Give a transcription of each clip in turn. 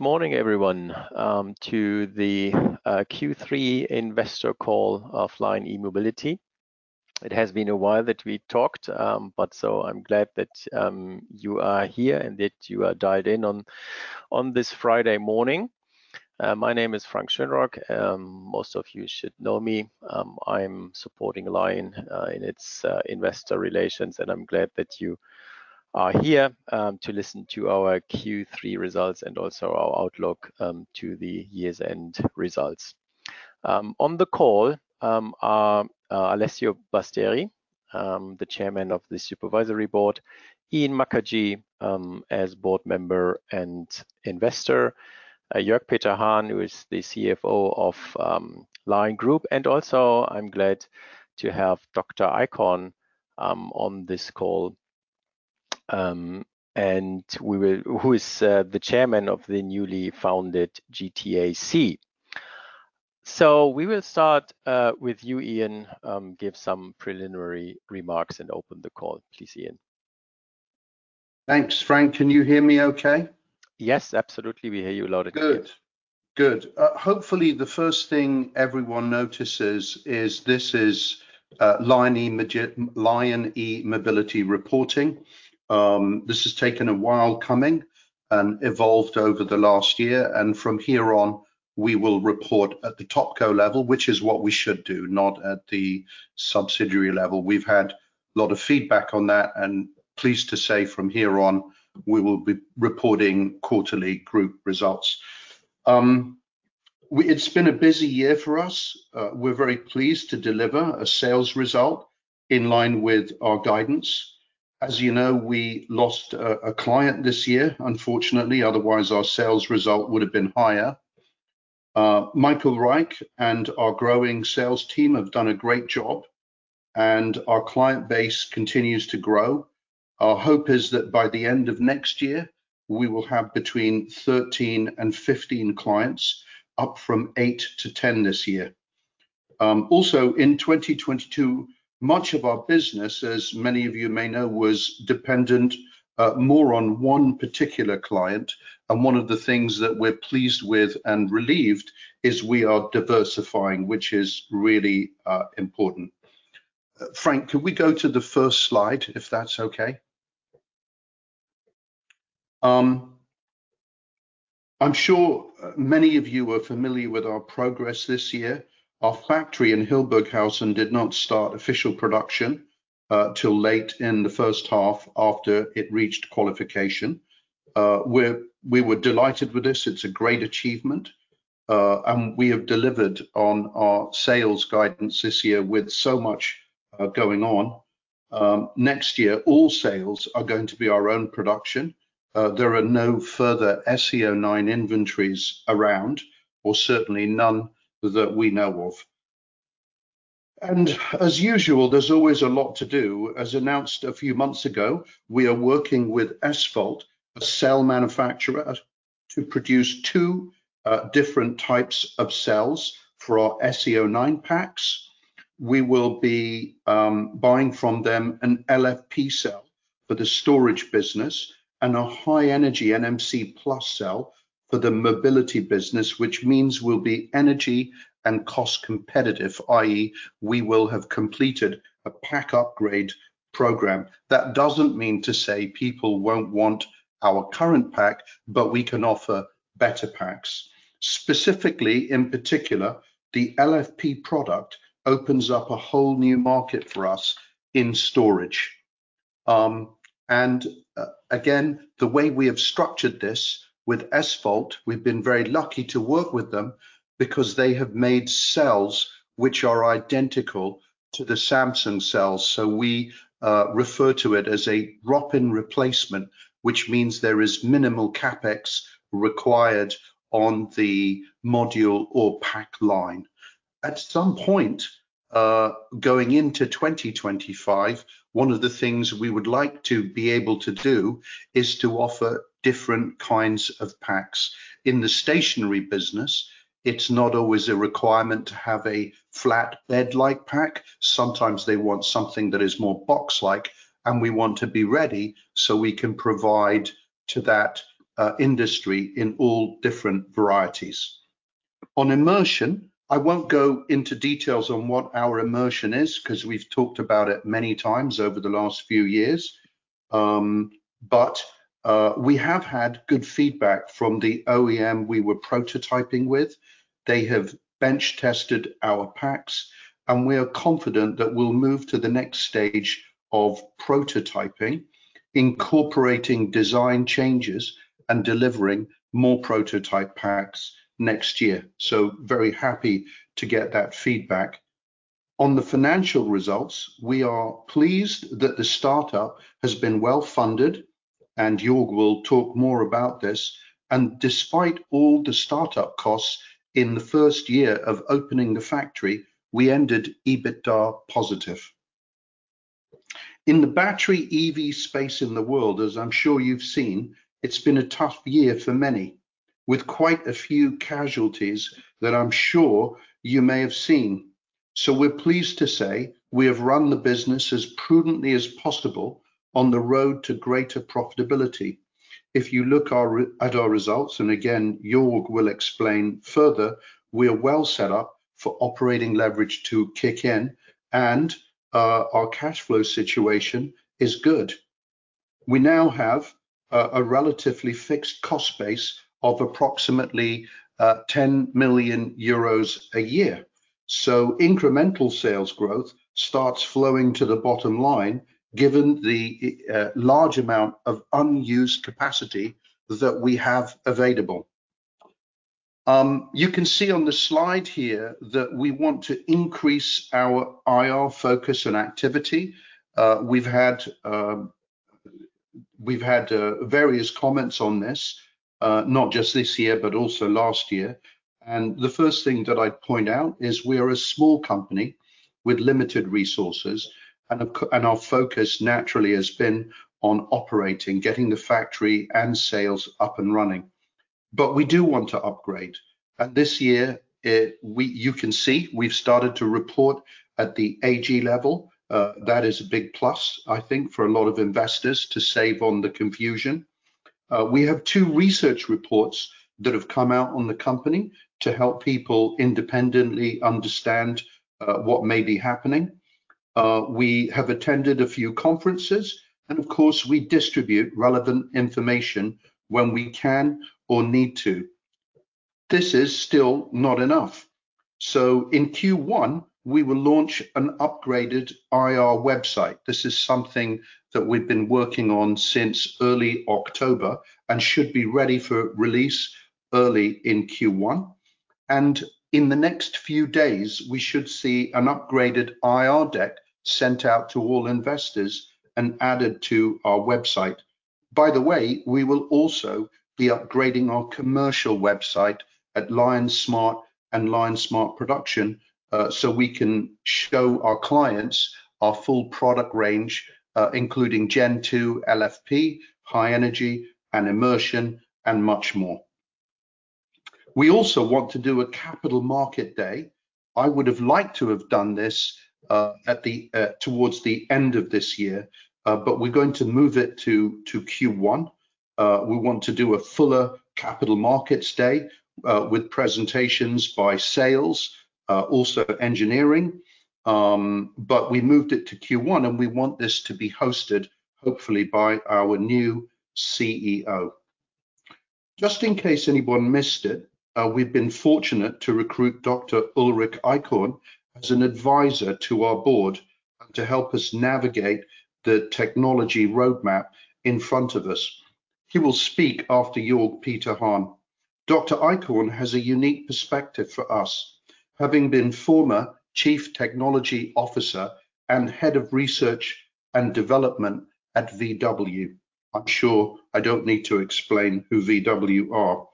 Morning, everyone, to the Q3 investor call of LION E-Mobility. It has been a while that we talked, but so I'm glad that you are here and that you are dialed in on this Friday morning. My name is Frank Schönrock. Most of you should know me. I'm supporting LION in its investor relations, and I'm glad that you are here to listen to our Q3 results and also our outlook to the year's end results. On the call are Alessio Basteri, the chairman of the supervisory board, Ian Mukherjee, as board member and investor, Jörg Peter Hahn, who is the CFO of LION Group, and also I'm glad to have Dr. Eichhorn on this call—who is the chairman of the newly founded GTAC. We will start with you, Ian, give some preliminary remarks and open the call. Please, Ian. Thanks, Frank. Can you hear me okay? Yes, absolutely. We hear you loud and clear. Good. Good. Hopefully, the first thing everyone notices is this is LION E-Mobility reporting. This has taken a while coming and evolved over the last year, and from here on, we will report at the top co-level, which is what we should do, not at the subsidiary level. We've had a lot of feedback on that, and pleased to say from here on, we will be reporting quarterly group results. We... It's been a busy year for us. We're very pleased to deliver a sales result in line with our guidance. As you know, we lost a client this year, unfortunately, otherwise, our sales result would have been higher. Michael Reich and our growing sales team have done a great job, and our client base continues to grow. Our hope is that by the end of next year, we will have between 13 and 15 clients, up from 8-10 this year. Also, in 2022, much of our business, as many of you may know, was dependent more on one particular client, and one of the things that we're pleased with and relieved is we are diversifying, which is really important. Frank, could we go to the first slide, if that's okay? I'm sure many of you are familiar with our progress this year. Our factory in Hildburghausen did not start official production till late in the first half after it reached qualification. We were delighted with this. It's a great achievement, and we have delivered on our sales guidance this year with so much going on. Next year, all sales are going to be our own production. There are no further SE09 inventories around, or certainly none that we know of. As usual, there's always a lot to do. As announced a few months ago, we are working with SVOLT, a cell manufacturer, to produce two different types of cells for our SE09 packs. We will be buying from them an LFP cell for the storage business and a high-energy NMC+ cell for the mobility business, which means we'll be energy and cost competitive, i.e., we will have completed a pack upgrade program. That doesn't mean to say people won't want our current pack, but we can offer better packs. Specifically, in particular, the LFP product opens up a whole new market for us in storage. Again, the way we have structured this with SVOLT, we've been very lucky to work with them because they have made cells which are identical to the Samsung cells, so we refer to it as a drop-in replacement, which means there is minimal CapEx required on the module or pack line. At some point, going into 2025, one of the things we would like to be able to do is to offer different kinds of packs. In the stationary business, it's not always a requirement to have a flatbed-like pack. Sometimes they want something that is more box-like, and we want to be ready so we can provide to that industry in all different varieties. On immersion, I won't go into details on what our immersion is, 'cause we've talked about it many times over the last few years. We have had good feedback from the OEM we were prototyping with. They have bench-tested our packs, and we are confident that we'll move to the next stage of prototyping, incorporating design changes, and delivering more prototype packs next year. So very happy to get that feedback. On the financial results, we are pleased that the start-up has been well-funded, and Jörg will talk more about this, and despite all the start-up costs in the first year of opening the factory, we ended EBITDA positive. In the battery EV space in the world, as I'm sure you've seen, it's been a tough year for many, with quite a few casualties that I'm sure you may have seen.... So we're pleased to say we have run the business as prudently as possible on the road to greater profitability. If you look at our results, and again, Jörg will explain further, we are well set up for operating leverage to kick in, and our cash flow situation is good. We now have a relatively fixed cost base of approximately 10 million euros a year. So incremental sales growth starts flowing to the bottom line, given the large amount of unused capacity that we have available. You can see on the slide here that we want to increase our IR focus and activity. We've had various comments on this, not just this year, but also last year. And the first thing that I'd point out is we are a small company with limited resources, and our focus naturally has been on operating, getting the factory and sales up and running. But we do want to upgrade, and this year, we, you can see we've started to report at the AG level. That is a big plus, I think, for a lot of investors to save on the confusion. We have two research reports that have come out on the company to help people independently understand what may be happening. We have attended a few conferences, and of course, we distribute relevant information when we can or need to. This is still not enough, so in Q1, we will launch an upgraded IR website. This is something that we've been working on since early October and should be ready for release early in Q1. And in the next few days, we should see an upgraded IR deck sent out to all investors and added to our website. By the way, we will also be upgrading our commercial website at LION Smart and LION Smart Production, so we can show our clients our full product range, including Gen 2 LFP, high energy, and immersion, and much more. We also want to do a capital market day. I would have liked to have done this towards the end of this year, but we're going to move it to Q1. We want to do a fuller capital markets day, with presentations by sales, also engineering, but we moved it to Q1, and we want this to be hosted, hopefully by our new CEO. Just in case anyone missed it, we've been fortunate to recruit Dr. Ulrich Eichhorn as an advisor to our board and to help us navigate the technology roadmap in front of us. He will speak after Jörg Peter Hahn. Dr. Eichhorn has a unique perspective for us, having been former Chief Technology Officer and Head of Research and Development at VW. I'm sure I don't need to explain who VW are.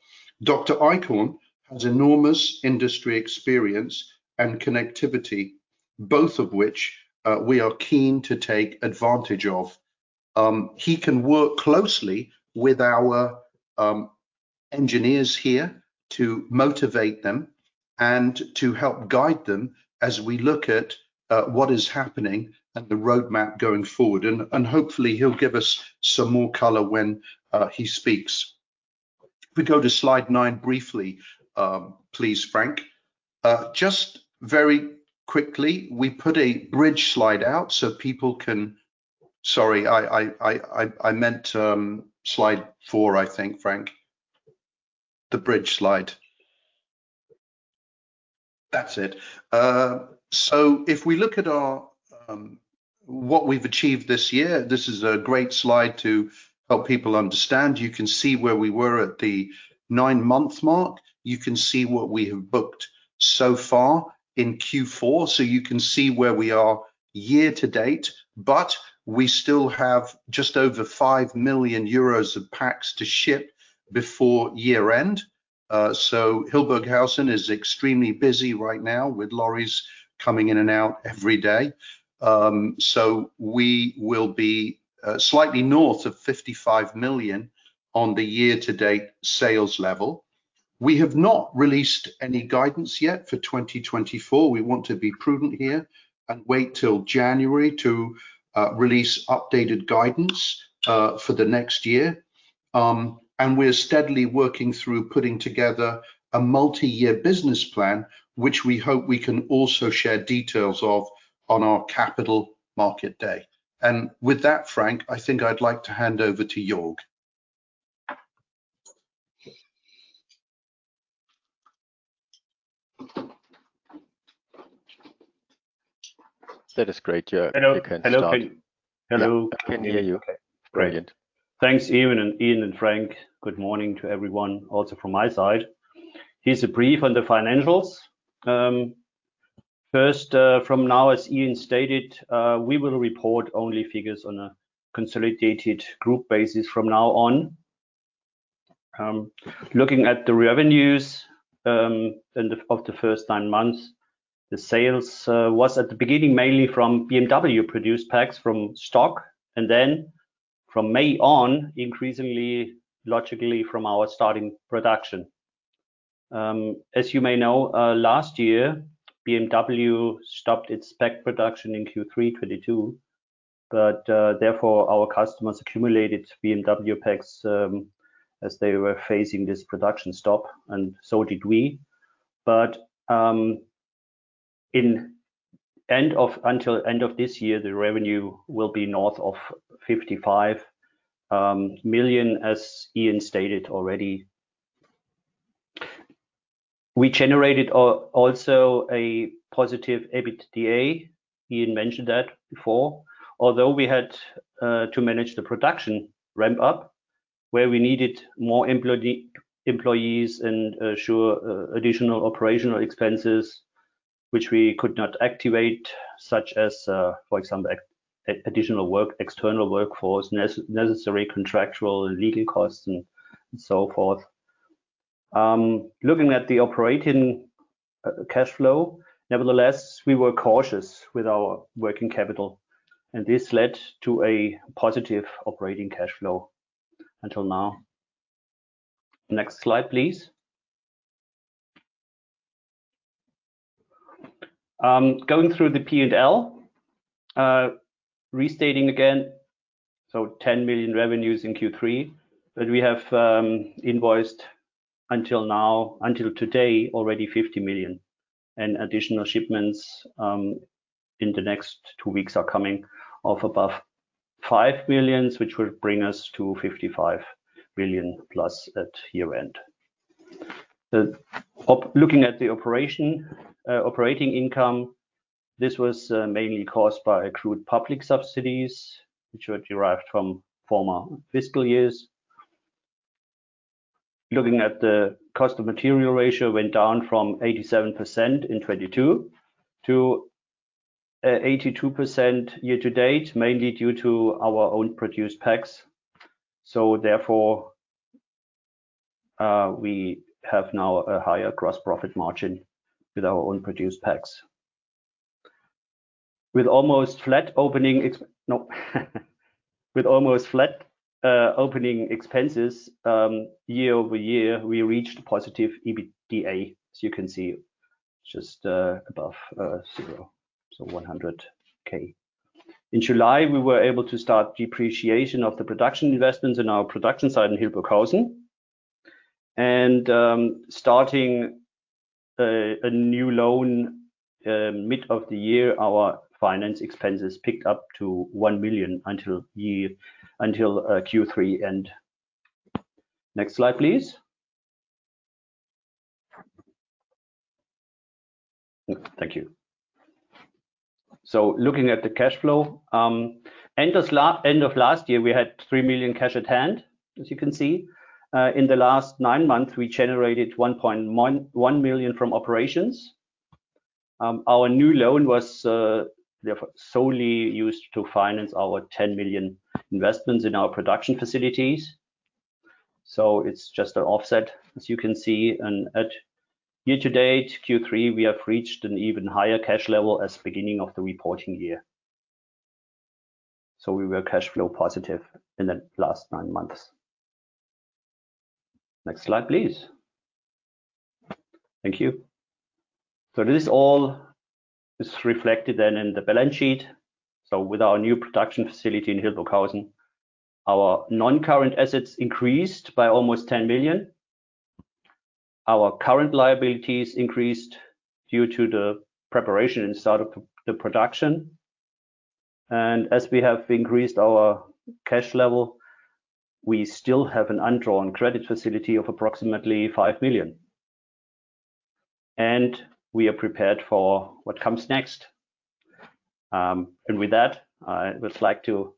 Dr. Eichhorn has enormous industry experience and connectivity, both of which we are keen to take advantage of. He can work closely with our engineers here to motivate them and to help guide them as we look at what is happening and the roadmap going forward, and hopefully, he'll give us some more color when he speaks. If we go to slide nine briefly, please, Frank. Just very quickly, we put a bridge slide out so people can. Sorry, I meant, slide four, I think, Frank. The bridge slide. That's it. So if we look at our what we've achieved this year, this is a great slide to help people understand. You can see where we were at the nine-month mark. You can see what we have booked so far in Q4, so you can see where we are year to date, but we still have just over 5 million euros of packs to ship before year-end. So Hildburghausen is extremely busy right now, with lorries coming in and out every day. So we will be slightly north of 55 million on the year-to-date sales level. We have not released any guidance yet for 2024. We want to be prudent here and wait till January to release updated guidance for the next year. We're steadily working through putting together a multi-year business plan, which we hope we can also share details of on our capital market day. With that, Frank, I think I'd like to hand over to Jörg. That is great, Jörg. Hello. Hello, You can start. Hello. I can hear you. Okay. Brilliant. Thanks, Ian and Frank. Good morning to everyone, also from my side. Here's a brief on the financials. First, from now, as Ian stated, we will report only figures on a consolidated group basis from now on. Looking at the revenues, of the first nine months, the sales was at the beginning mainly from BMW-produced packs from stock, and then from May on, increasingly, logically from our starting production. As you may know, last year, BMW stopped its pack production in Q3 2022, but therefore, our customers accumulated BMW packs, as they were facing this production stop, and so did we. But until the end of this year, the revenue will be north of 55 million, as Ian stated already. We generated also a positive EBITDA. Ian mentioned that before. Although we had to manage the production ramp up, where we needed more employees and ensure additional operational expenses, which we could not activate, such as, for example, additional work, external workforce, necessary contractual and legal costs and so forth. Looking at the operating cash flow, nevertheless, we were cautious with our working capital, and this led to a positive operating cash flow until now. Next slide, please. Going through the P&L, restating again, so 10 million revenues in Q3, but we have invoiced until now, until today, already 50 million. And additional shipments in the next two weeks are coming of above 5 million, which will bring us to 55 million-plus at year-end. Looking at the operating income, this was mainly caused by accrued public subsidies, which were derived from former fiscal years. Looking at the cost of material ratio went down from 87% in 2022 to 82% year to date, mainly due to our own produced packs. So therefore, we have now a higher gross profit margin with our own produced packs. With almost flat opening expenses year-over-year, we reached positive EBITDA, so you can see just above zero, so 100,000. In July, we were able to start depreciation of the production investments in our production site in Hildburghausen. Starting a new loan mid of the year, our finance expenses picked up to 1 million until year, until Q3 end. Next slide, please. Thank you. Looking at the cash flow, end of last year, we had 3 million cash at hand, as you can see. In the last nine months, we generated 1.1 million from operations. Our new loan was therefore solely used to finance our 10 million investments in our production facilities. So it's just an offset, as you can see, and at year to date, Q3, we have reached an even higher cash level as beginning of the reporting year. So we were cash flow positive in the last nine months. Next slide, please. Thank you. This all is reflected then in the balance sheet. With our new production facility in Hildburghausen, our non-current assets increased by almost 10 million. Our current liabilities increased due to the preparation and start of the production. As we have increased our cash level, we still have an undrawn credit facility of approximately 5 million, and we are prepared for what comes next. With that, I would like to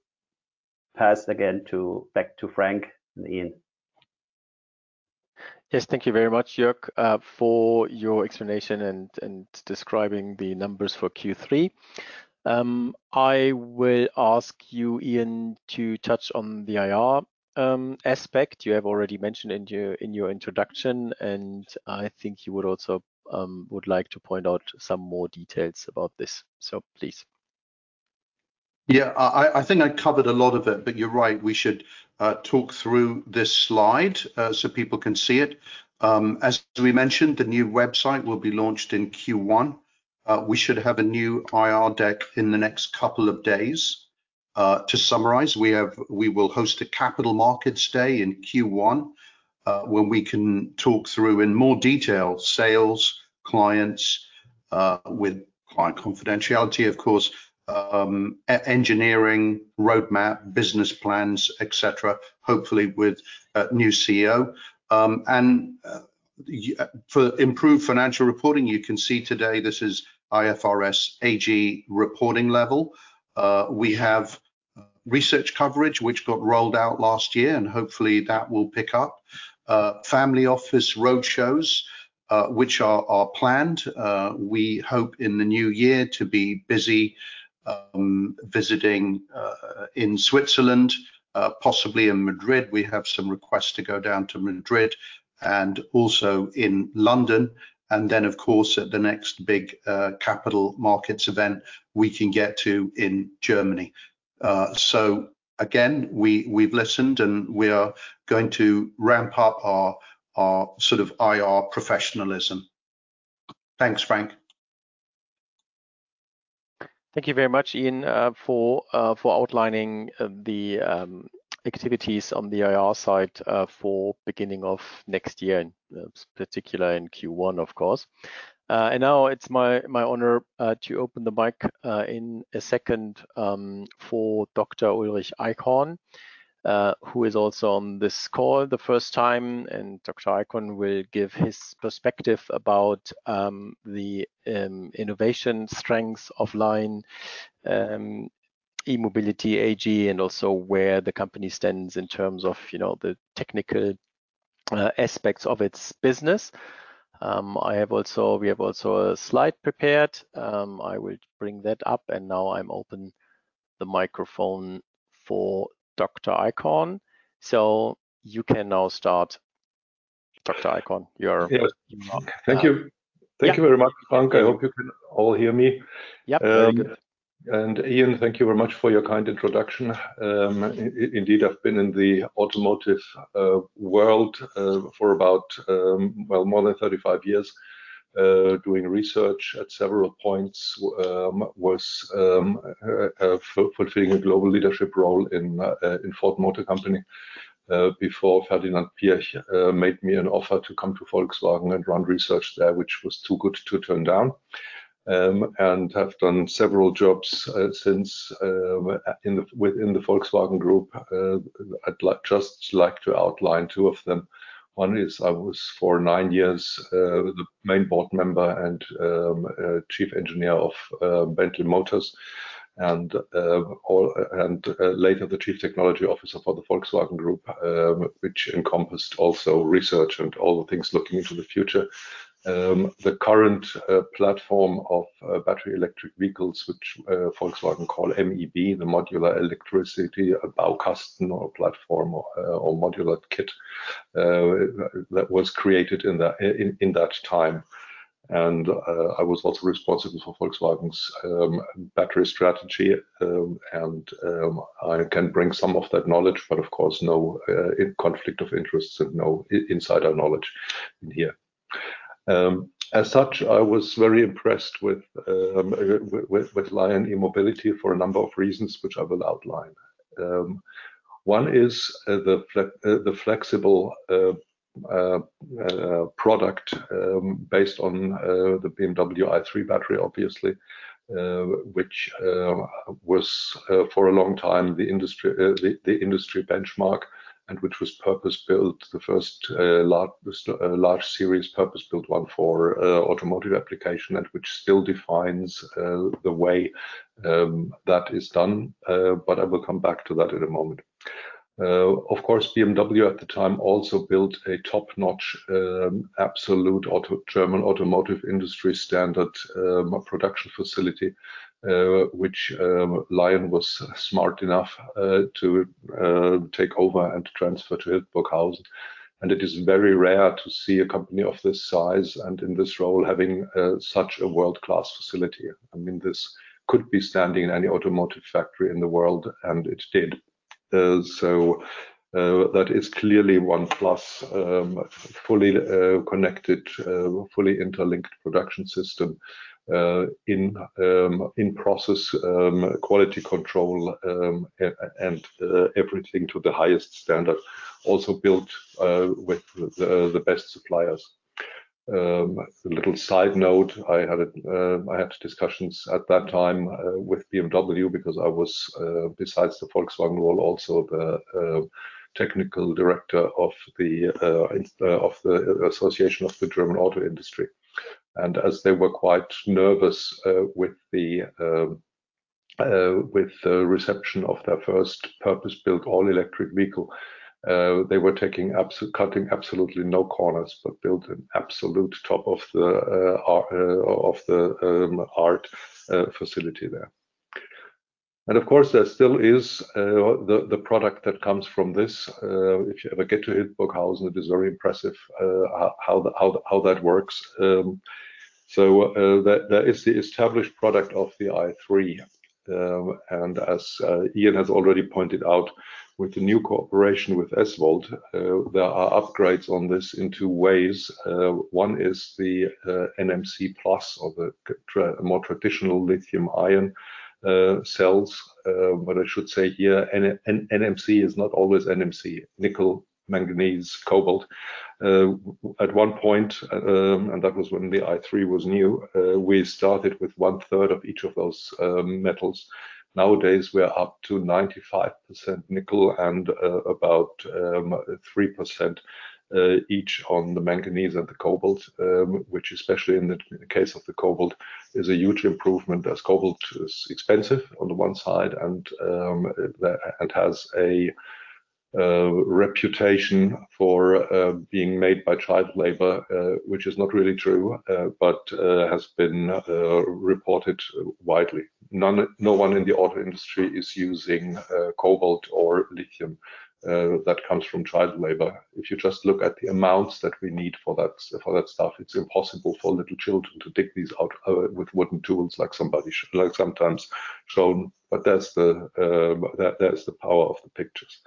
pass again to, back to Frank and Ian. Yes, thank you very much, Jörg, for your explanation and describing the numbers for Q3. I will ask you, Ian, to touch on the IR aspect. You have already mentioned in your introduction, and I think you would also like to point out some more details about this. So please. Yeah, I think I covered a lot of it, but you're right, we should talk through this slide so people can see it. As we mentioned, the new website will be launched in Q1. We should have a new IR deck in the next couple of days. To summarize, we have—we will host a capital markets day in Q1, where we can talk through in more detail sales, clients, with client confidentiality, of course, e-engineering, roadmap, business plans, et cetera, hopefully with a new CEO. And for improved financial reporting, you can see today, this is IFRS AG reporting level. We have research coverage, which got rolled out last year, and hopefully, that will pick up. Family office roadshows, which are planned. We hope in the new year to be busy visiting in Switzerland, possibly in Madrid. We have some requests to go down to Madrid, and also in London, and then, of course, at the next big capital markets event we can get to in Germany. So again, we, we've listened, and we are going to ramp up our, our sort of IR professionalism. Thanks, Frank. Thank you very much, Ian, for outlining the activities on the IR side for beginning of next year, and particular in Q1, of course. And now it's my honor to open the mic in a second for Dr. Ulrich Eichhorn, who is also on this call the first time, and Dr. Eichhorn will give his perspective about the innovation strengths of LION E-Mobility AG, and also where the company stands in terms of, you know, the technical aspects of its business. We have also a slide prepared. I will bring that up, and now I'm open the microphone for Dr. Eichhorn. So you can now start, Dr. Eichhorn, your- Yeah. Welcome. Thank you. Yeah. Thank you very much, Frank. I hope you can all hear me. Yep. And Ian, thank you very much for your kind introduction. Indeed, I've been in the automotive world for about, well, more than 35 years, doing research at several points. Was fulfilling a global leadership role in Ford Motor Company before Ferdinand Piëch made me an offer to come to Volkswagen and run research there, which was too good to turn down. And I've done several jobs since within the Volkswagen Group. I'd like just like to outline two of them. One is, I was for nine years the main board member and chief engineer of Bentley Motors, and later, the chief technology officer for the Volkswagen Group, which encompassed also research and all the things looking into the future. The current platform of battery electric vehicles, which Volkswagen call MEB, the modular electricity Baukasten, or platform, or modular kit, that was created in that time. I was also responsible for Volkswagen's battery strategy, and I can bring some of that knowledge, but of course, no conflict of interest and no insider knowledge in here. As such, I was very impressed with LION E-Mobility for a number of reasons, which I will outline. One is the flexible product based on the BMW i3 battery, obviously, which was for a long time the industry benchmark, and which was purpose-built, the first large series purpose-built one for automotive application, and which still defines the way that is done, but I will come back to that in a moment. Of course, BMW at the time also built a top-notch absolute German automotive industry standard production facility, which LION was smart enough to take over and transfer to Hildburghausen. It is very rare to see a company of this size and in this role, having such a world-class facility. I mean, this could be standing in any automotive factory in the world, and it did. So, that is clearly one plus, fully connected, fully interlinked production system, in process quality control, and everything to the highest standard, also built with the best suppliers. A little side note, I had discussions at that time with BMW because I was, besides the Volkswagen role, also the technical director of the Association of the German Auto Industry. And as they were quite nervous with the reception of their first purpose-built all-electric vehicle, they were cutting absolutely no corners, but built an absolute top-of-the art facility there. Of course, there still is the product that comes from this. If you ever get to Hildburghausen, it is very impressive how that works. So, that is the established product of the i3. And as Ian has already pointed out, with the new cooperation with SVOLT, there are upgrades on this in two ways. One is the NMC+ or the more traditional lithium-ion cells. But I should say here, NMC is not always NMC, nickel, manganese, cobalt. At one point, and that was when the i3 was new, we started with one third of each of those metals. Nowadays, we are up to 95% nickel and about 3% each on the manganese and the cobalt, which especially in the case of the cobalt is a huge improvement, as cobalt is expensive on the one side and and has a reputation for being made by child labor, which is not really true, but has been reported widely. No one in the auto industry is using cobalt or lithium that comes from child labor. If you just look at the amounts that we need for that, for that stuff, it's impossible for little children to dig these out with wooden tools like somebody like sometimes shown, but that's the power of the pictures.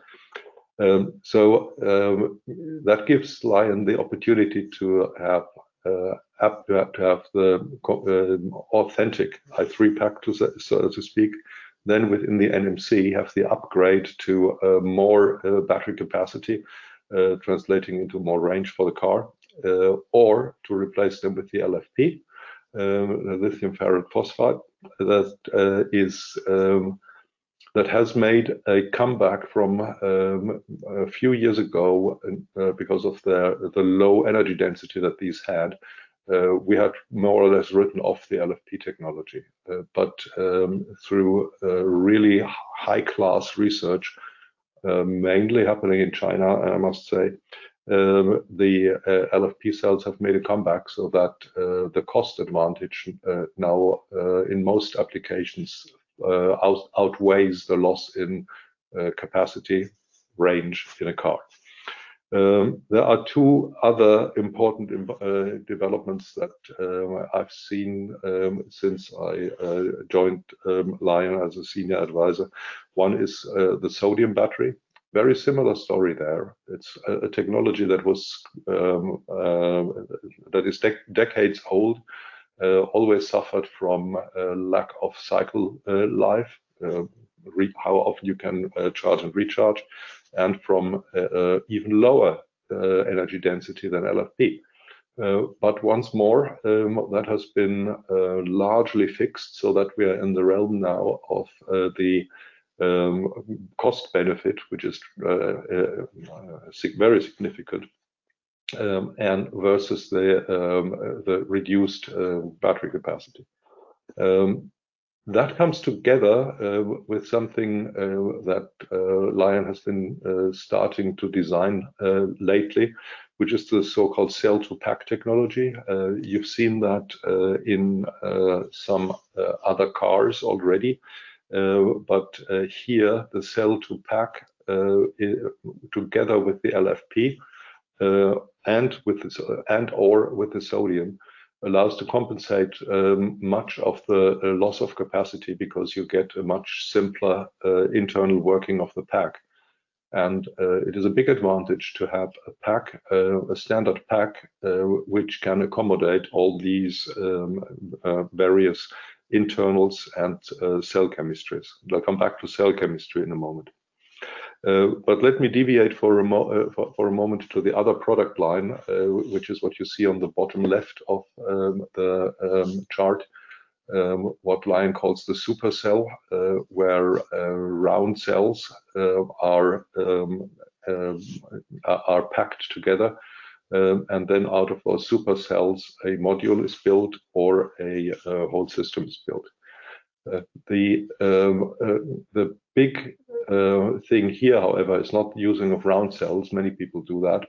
So, that gives LION the opportunity to have the authentic i3 pack, so to speak, then within the NMC, have the upgrade to more battery capacity, translating into more range for the car, or to replace them with the LFP, the lithium ferro-phosphate. That has made a comeback from a few years ago, because of the low energy density that these had. We had more or less written off the LFP technology, but through really high-class research, mainly happening in China, I must say, the LFP cells have made a comeback, so that the cost advantage now in most applications outweighs the loss in capacity range in a car. There are two other important developments that I've seen since I joined Lion as a senior advisor. One is the sodium battery. Very similar story there. It's a technology that is decades old, always suffered from a lack of cycle life, how often you can charge and recharge, and from even lower energy density than LFP. But once more, that has been largely fixed so that we are in the realm now of the cost benefit, which is very significant and versus the reduced battery capacity. That comes together with something that Lion has been starting to design lately, which is the so-called Cell to Pack technology. You've seen that in some other cars already, but here, the Cell to Pack together with the LFP and/or with the sodium allows to compensate much of the loss of capacity, because you get a much simpler internal working of the pack. And it is a big advantage to have a pack, a standard pack, which can accommodate all these various internals and cell chemistries. I'll come back to cell chemistry in a moment. But let me deviate for a moment to the other product line, which is what you see on the bottom left of the chart, what LION calls the super cell, where round cells are packed together, and then out of those super cells, a module is built or a whole system is built. The big thing here, however, is not using of round cells. Many people do that,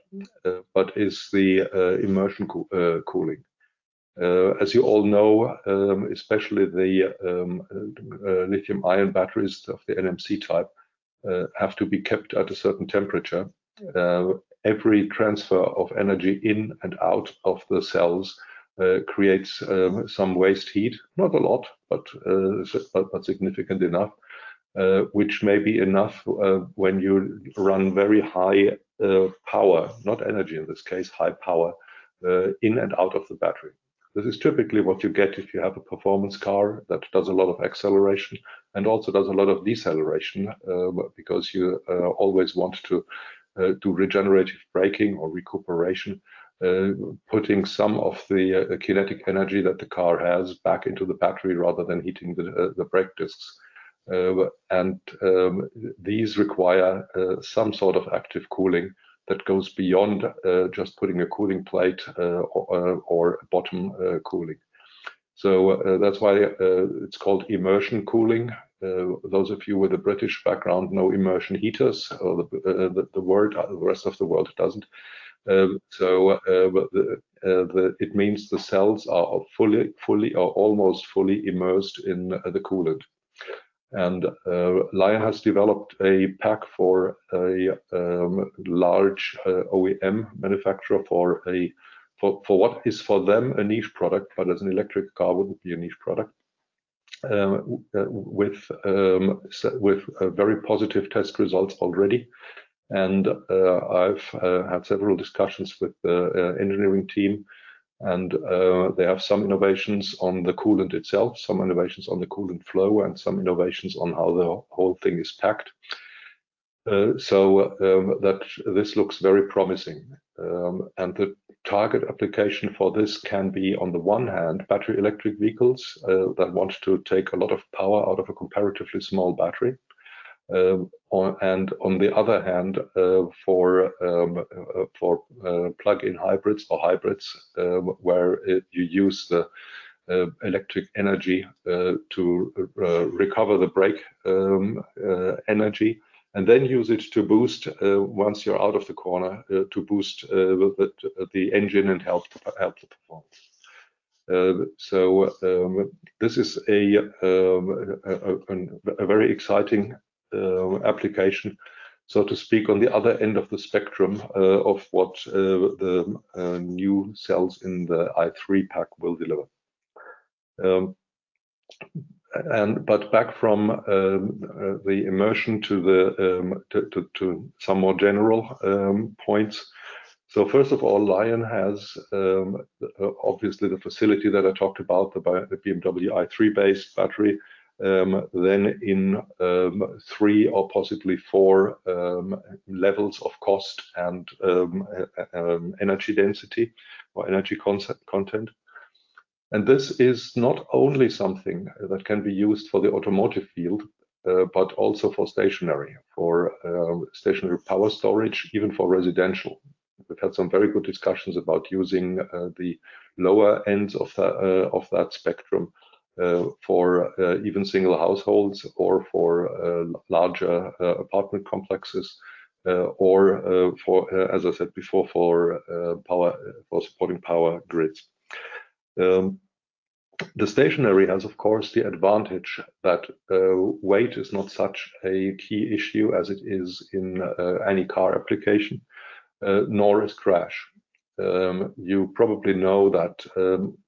but it's the immersion cooling. As you all know, especially the lithium-ion batteries of the NMC type, have to be kept at a certain temperature. Every transfer of energy in and out of the cells creates some waste heat. Not a lot, but, but significant enough, which may be enough, when you run very high power, not energy, in this case, high power, in and out of the battery. This is typically what you get if you have a performance car that does a lot of acceleration and also does a lot of deceleration, because you always want to do regenerative braking or recuperation, putting some of the kinetic energy that the car has back into the battery, rather than heating the brake discs. And, these require some sort of active cooling that goes beyond just putting a cooling plate, or, or bottom cooling. So, that's why it's called immersion cooling. Those of you with a British background know immersion heaters, or the word, the rest of the world doesn't. So, it means the cells are fully or almost fully immersed in the coolant. And, LION has developed a pack for a large OEM manufacturer for what is, for them, a niche product, but as an electric car, wouldn't be a niche product, with very positive test results already. And, I've had several discussions with the engineering team, and they have some innovations on the coolant itself, some innovations on the coolant flow, and some innovations on how the whole thing is packed. So, that this looks very promising, and the target application for this can be, on the one hand, battery electric vehicles that want to take a lot of power out of a comparatively small battery. On the other hand, for plug-in hybrids or hybrids, where you use the electric energy to recover the brake energy, and then use it to boost once you're out of the corner to boost the engine and help the performance. So, this is a very exciting application, so to speak, on the other end of the spectrum, of what the new cells in the i3 pack will deliver. But back from the immersion to some more general points. So first of all, LION has obviously the facility that I talked about, the BMW i3 based battery, then in three or possibly four levels of cost and energy density or energy content. And this is not only something that can be used for the automotive field, but also for stationary power storage, even for residential. We've had some very good discussions about using the lower ends of that spectrum for even single households or for larger apartment complexes, or for, as I said before, for supporting power grids. The stationary has, of course, the advantage that weight is not such a key issue as it is in any car application, nor is crash. You probably know that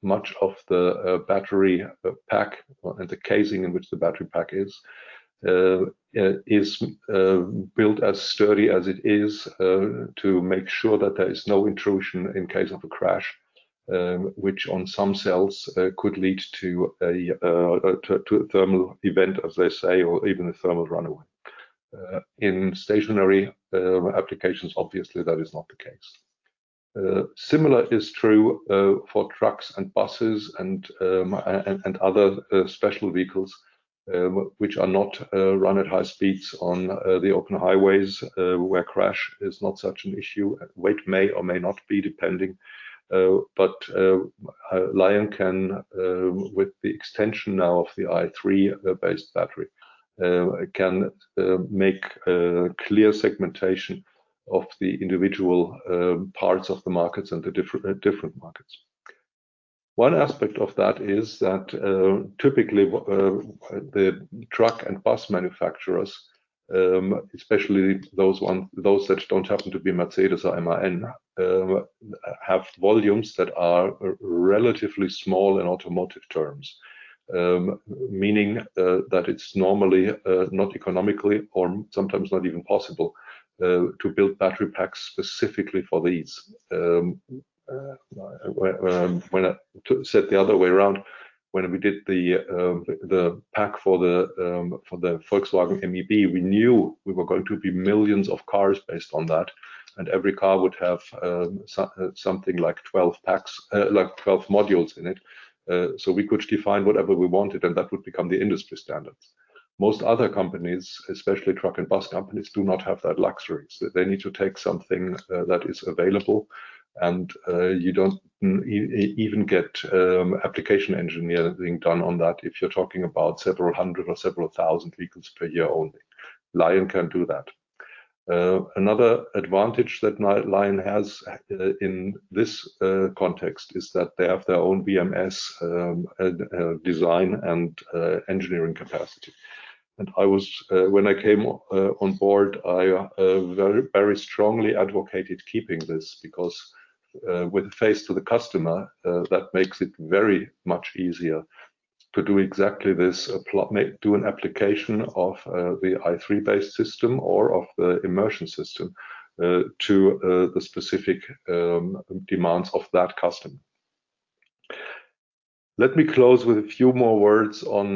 much of the battery pack or the casing in which the battery pack is built as sturdy as it is to make sure that there is no intrusion in case of a crash, which on some cells could lead to a thermal event, as they say, or even a thermal runaway. In stationary applications, obviously, that is not the case. Similar is true for trucks and buses and other special vehicles which are not run at high speeds on the open highways where crash is not such an issue. Weight may or may not be, depending, but LION can, with the extension now of the i3-based battery, can make a clear segmentation of the individual parts of the markets and the different markets. One aspect of that is that, typically, what the truck and bus manufacturers, especially those that don't happen to be Mercedes or MAN, have volumes that are relatively small in automotive terms, meaning that it's normally not economically or sometimes not even possible to build battery packs specifically for these. When... To say it the other way around, when we did the pack for the Volkswagen MEB, we knew we were going to be millions of cars based on that, and every car would have something like 12 packs, like 12 modules in it. So we could define whatever we wanted, and that would become the industry standards. Most other companies, especially truck and bus companies, do not have that luxury. They need to take something that is available, and you don't even get application engineering done on that if you're talking about several hundred or several thousand vehicles per year only. LION can do that. Another advantage that LION has in this context is that they have their own BMS design and engineering capacity. And I was... When I came on board, I very, very strongly advocated keeping this, because with face to the customer, that makes it very much easier to do exactly this plot, may do an application of the i3 based system or of the immersion system to the specific demands of that customer. Let me close with a few more words on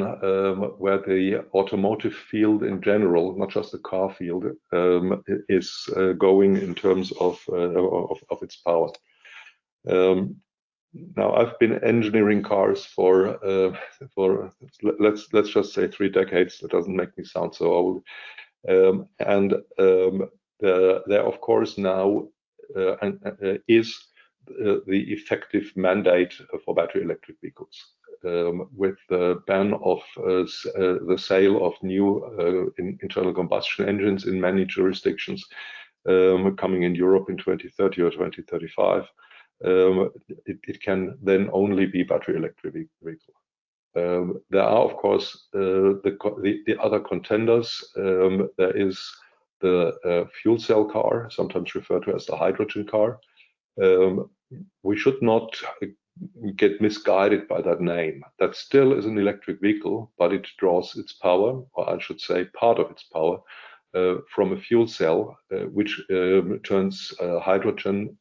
where the automotive field in general, not just the car field, is going in terms of of its power. Now, I've been engineering cars for, let's just say three decades, that doesn't make me sound so old. There is, of course, now, the effective mandate for battery electric vehicles, with the ban of the sale of new internal combustion engines in many jurisdictions, coming in Europe in 2030 or 2035. It can then only be battery electric vehicle. There are, of course, the other contenders. There is the fuel cell car, sometimes referred to as the hydrogen car. We should not get misguided by that name. That still is an electric vehicle, but it draws its power, or I should say, part of its power, from a fuel cell, which turns hydrogen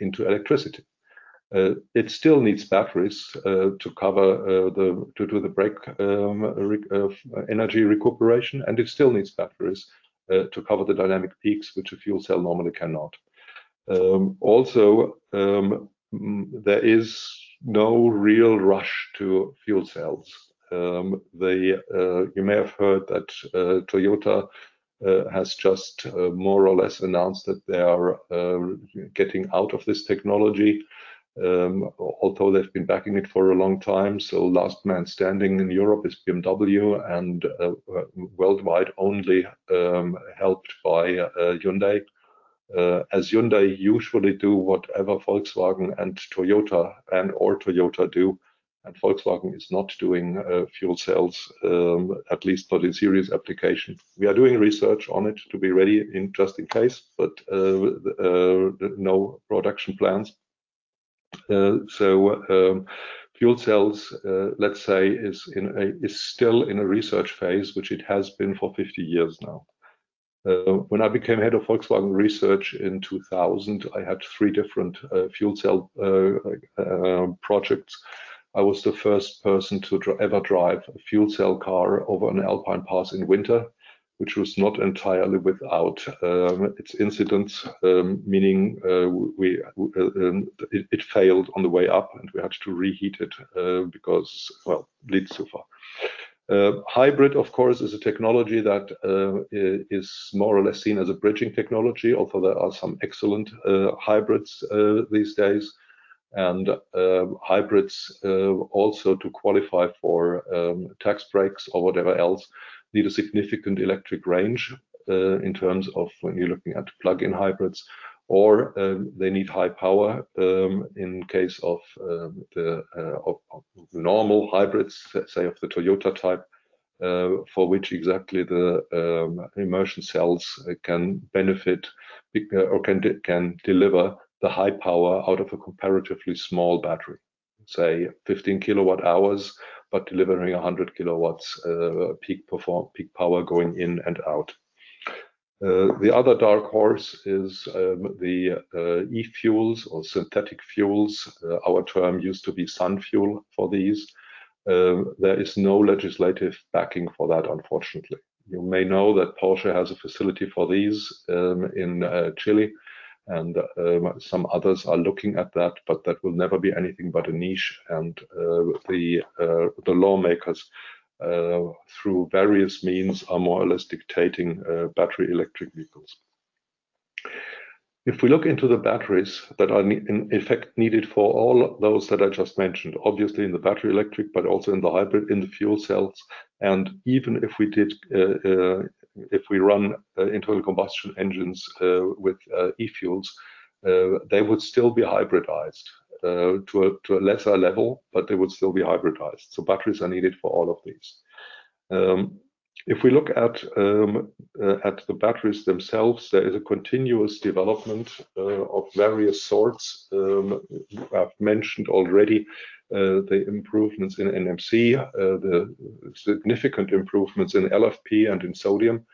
into electricity. It still needs batteries to cover the brake energy recuperation, and it still needs batteries to cover the dynamic peaks, which a fuel cell normally cannot. Also, there is no real rush to fuel cells. You may have heard that Toyota has just more or less announced that they are getting out of this technology, although they've been backing it for a long time. So last man standing in Europe is BMW, and worldwide, only helped by Hyundai. As Hyundai usually do whatever Volkswagen and Toyota, and/or Toyota do, and Volkswagen is not doing fuel cells, at least not in serious application. We are doing research on it to be ready just in case, but no production plans. So, fuel cells, let's say, is still in a research phase, which it has been for 50 years now. When I became head of Volkswagen Research in 2000, I had three different, fuel cell, projects. I was the first person to ever drive a fuel cell car over an alpine pass in winter, which was not entirely without, its incidents. Meaning, we, it, it failed on the way up, and we had to reheat it, because, well, bleed so far. Hybrid, of course, is a technology that, is more or less seen as a bridging technology, although there are some excellent, hybrids, these days. Hybrids also to qualify for tax breaks or whatever else need a significant electric range in terms of when you're looking at plug-in hybrids, or they need high power in case of the of normal hybrids, let's say, of the Toyota type, for which exactly the immersion cells can deliver the high power out of a comparatively small battery, say, 15 kWh, but delivering 100 kW peak power going in and out. The other dark horse is the E-fuels or synthetic fuels. Our term used to be sun fuel for these. There is no legislative backing for that, unfortunately. You may know that Porsche has a facility for these in Chile, and some others are looking at that, but that will never be anything but a niche, and the lawmakers through various means are more or less dictating battery electric vehicles. If we look into the batteries that are in effect needed for all those that I just mentioned, obviously in the battery electric, but also in the hybrid, in the fuel cells, and even if we did if we run internal combustion engines with e-fuels, they would still be hybridized to a lesser level, but they would still be hybridized, so batteries are needed for all of these. If we look at the batteries themselves, there is a continuous development of various sorts. I've mentioned already the improvements in NMC, the significant improvements in LFP and in sodium.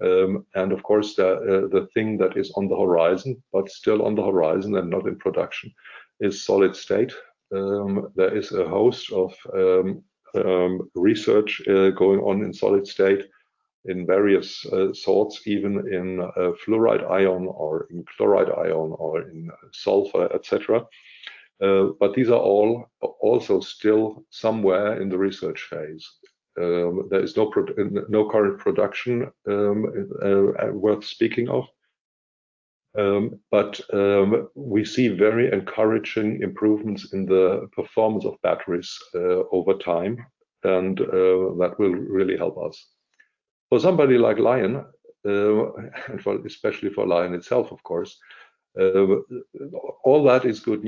And of course, the thing that is on the horizon, but still on the horizon and not in production, is solid state. There is a host of research going on in solid state, in various sorts, even in fluoride ion or in chloride ion or in sulfur, et cetera. But these are all also still somewhere in the research phase. There is no current production worth speaking of. But we see very encouraging improvements in the performance of batteries over time, and that will really help us. For somebody like LION, especially for LION itself, of course, all that is good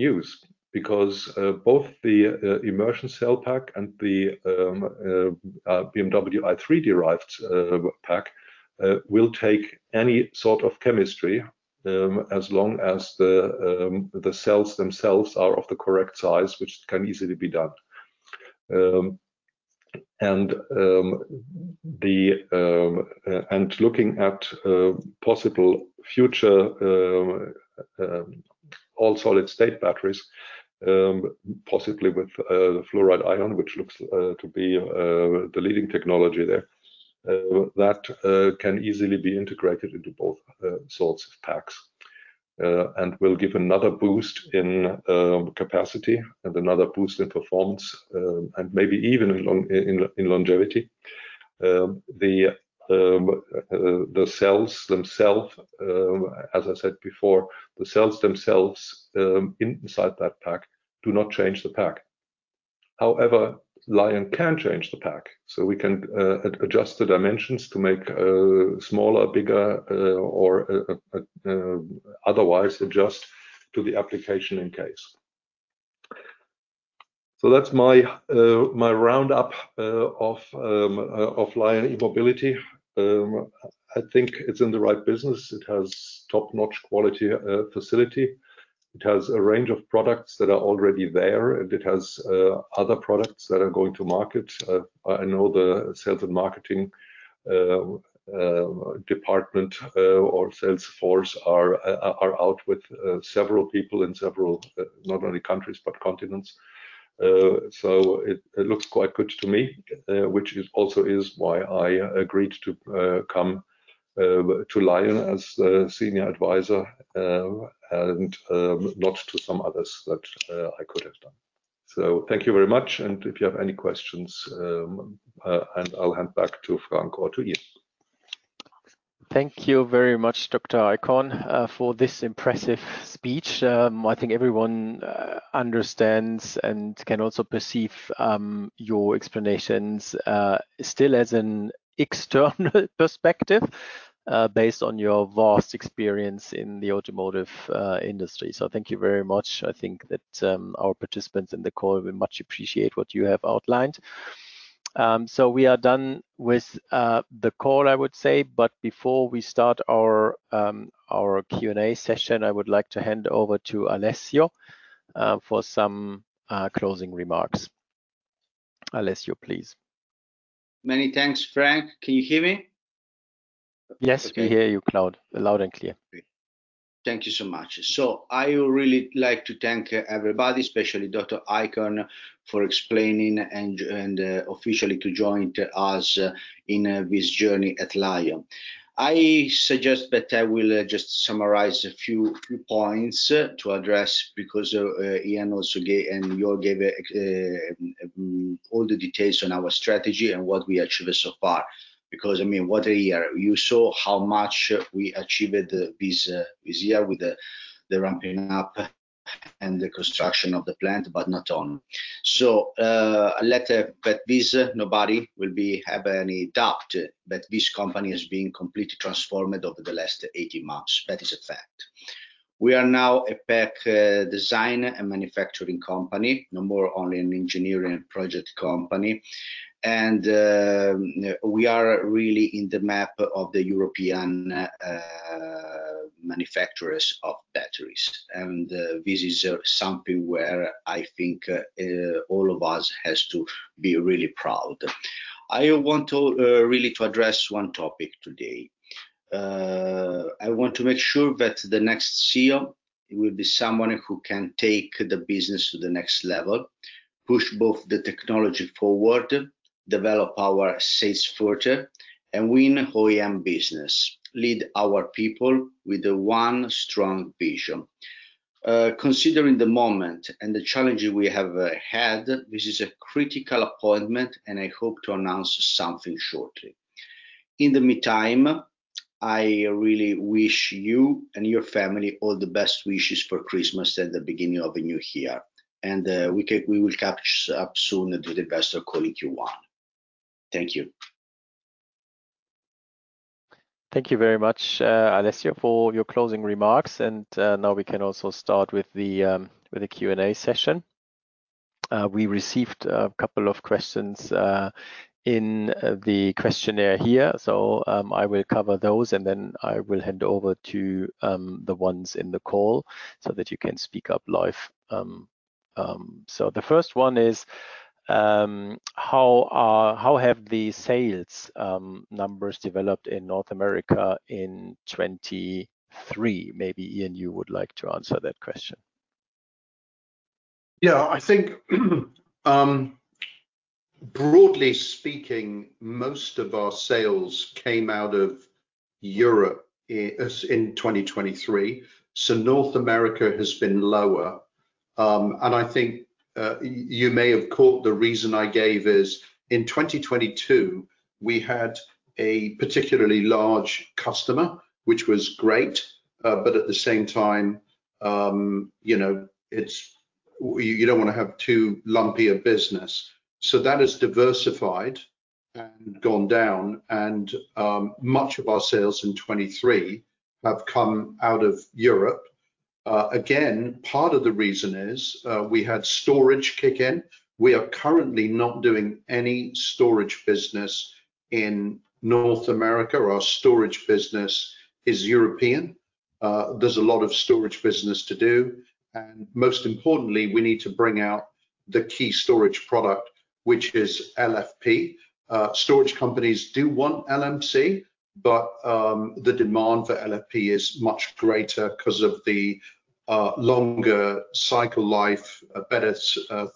news, because both the immersion cell pack and the BMW i3-derived pack will take any sort of chemistry, as long as the cells themselves are of the correct size, which can easily be done. And looking at possible future all-solid-state batteries, possibly with fluoride ion, which looks to be the leading technology there, that can easily be integrated into both sorts of packs, and will give another boost in capacity and another boost in performance, and maybe even in longevity. The cells themselves, as I said before, the cells themselves, inside that pack, do not change the pack. However, LION can change the pack, so we can adjust the dimensions to make smaller, bigger, or otherwise adjust to the application in case. So that's my roundup of LION E-Mobility. I think it's in the right business. It has top-notch quality facility. It has a range of products that are already there, and it has other products that are going to market. I know the sales and marketing department or sales force are out with several people in several not only countries, but continents. So it looks quite good to me, which is also why I agreed to come to LION as a senior advisor, and not to some others that I could have done. So thank you very much, and if you have any questions, and I'll hand back to Frank or to Ian.... Thank you very much, Dr. Eichhorn, for this impressive speech. I think everyone understands and can also perceive your explanations still as an external perspective based on your vast experience in the automotive industry. So thank you very much. I think that our participants in the call will much appreciate what you have outlined. So we are done with the call, I would say, but before we start our Q&A session, I would like to hand over to Alessio for some closing remarks. Alessio, please. Many thanks, Frank. Can you hear me? Yes, we hear you loud, loud and clear. Thank you so much. So I would really like to thank everybody, especially Dr. Eichhorn, for explaining and officially to join us in this journey at LION. I suggest that I will just summarize a few points to address because Ian also gave, and you all gave, all the details on our strategy and what we achieved so far. Because, I mean, what a year. You saw how much we achieved this year with the ramping up and the construction of the plant, but not only. So, let that nobody will have any doubt that this company has been completely transformed over the last 18 months. That is a fact. We are now a pack design and manufacturing company, no more only an engineering and project company. We are really in the map of the European manufacturers of batteries, and this is something where I think all of us has to be really proud. I want to really to address one topic today. I want to make sure that the next CEO will be someone who can take the business to the next level, push both the technology forward, develop our sales further, and win OEM business, lead our people with the one strong vision. Considering the moment and the challenges we have had, this is a critical appointment, and I hope to announce something shortly. In the meantime, I really wish you and your family all the best wishes for Christmas and the beginning of a new year, and we will catch up soon and do the best of calling you one. Thank you. Thank you very much, Alessio, for your closing remarks, and now we can also start with the Q&A session. We received a couple of questions in the questionnaire here, so I will cover those, and then I will hand over to the ones in the call so that you can speak up live. So the first one is, how have the sales numbers developed in North America in 2023? Maybe, Ian, you would like to answer that question. Yeah, I think, broadly speaking, most of our sales came out of Europe in 2023, so North America has been lower. And I think, you may have caught the reason I gave is, in 2022, we had a particularly large customer, which was great, but at the same time, you know, it's. You don't want to have too lumpy a business. So that has diversified and gone down, and much of our sales in 2023 have come out of Europe. Again, part of the reason is, we had storage kick in. We are currently not doing any storage business in North America. Our storage business is European. There's a lot of storage business to do, and most importantly, we need to bring out the key storage product, which is LFP. Storage companies do want NMC, but the demand for LFP is much greater 'cause of the longer cycle life, a better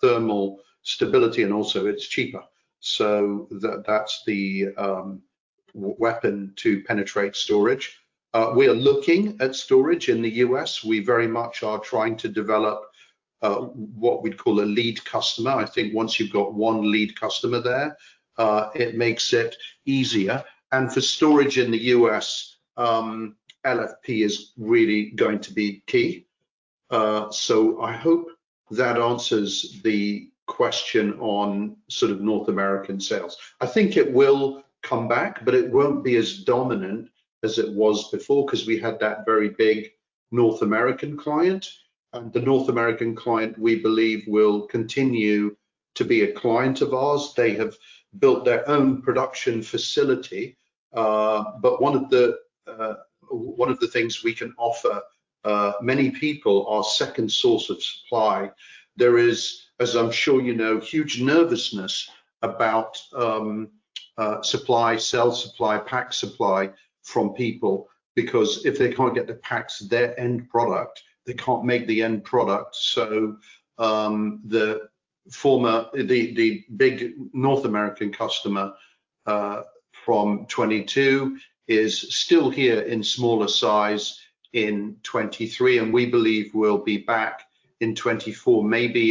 thermal stability, and also it's cheaper. So that, that's the weapon to penetrate storage. We are looking at storage in the US. We very much are trying to develop what we'd call a lead customer. I think once you've got one lead customer there, it makes it easier. And for storage in the US, LFP is really going to be key. So I hope that answers the question on sort of North American sales. I think it will come back, but it won't be as dominant as it was before, 'cause we had that very big North American client, and the North American client, we believe, will continue to be a client of ours. They have built their own production facility, but one of the things we can offer many people, our second source of supply. There is, as I'm sure you know, huge nervousness about supply, cell supply, pack supply from people, because if they can't get the packs, their end product, they can't make the end product. So, the former, the big North American customer from 2022 is still here in smaller size in 2023, and we believe will be back in 2024, maybe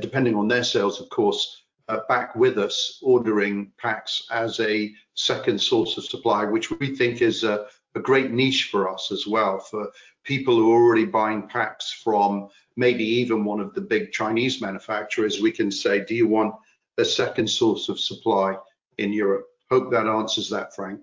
depending on their sales, of course, back with us ordering packs as a second source of supply, which we think is a great niche for us as well, for people who are already buying packs from maybe even one of the big Chinese manufacturers. We can say, "Do you want a second source of supply in Europe?" Hope that answers that, Frank.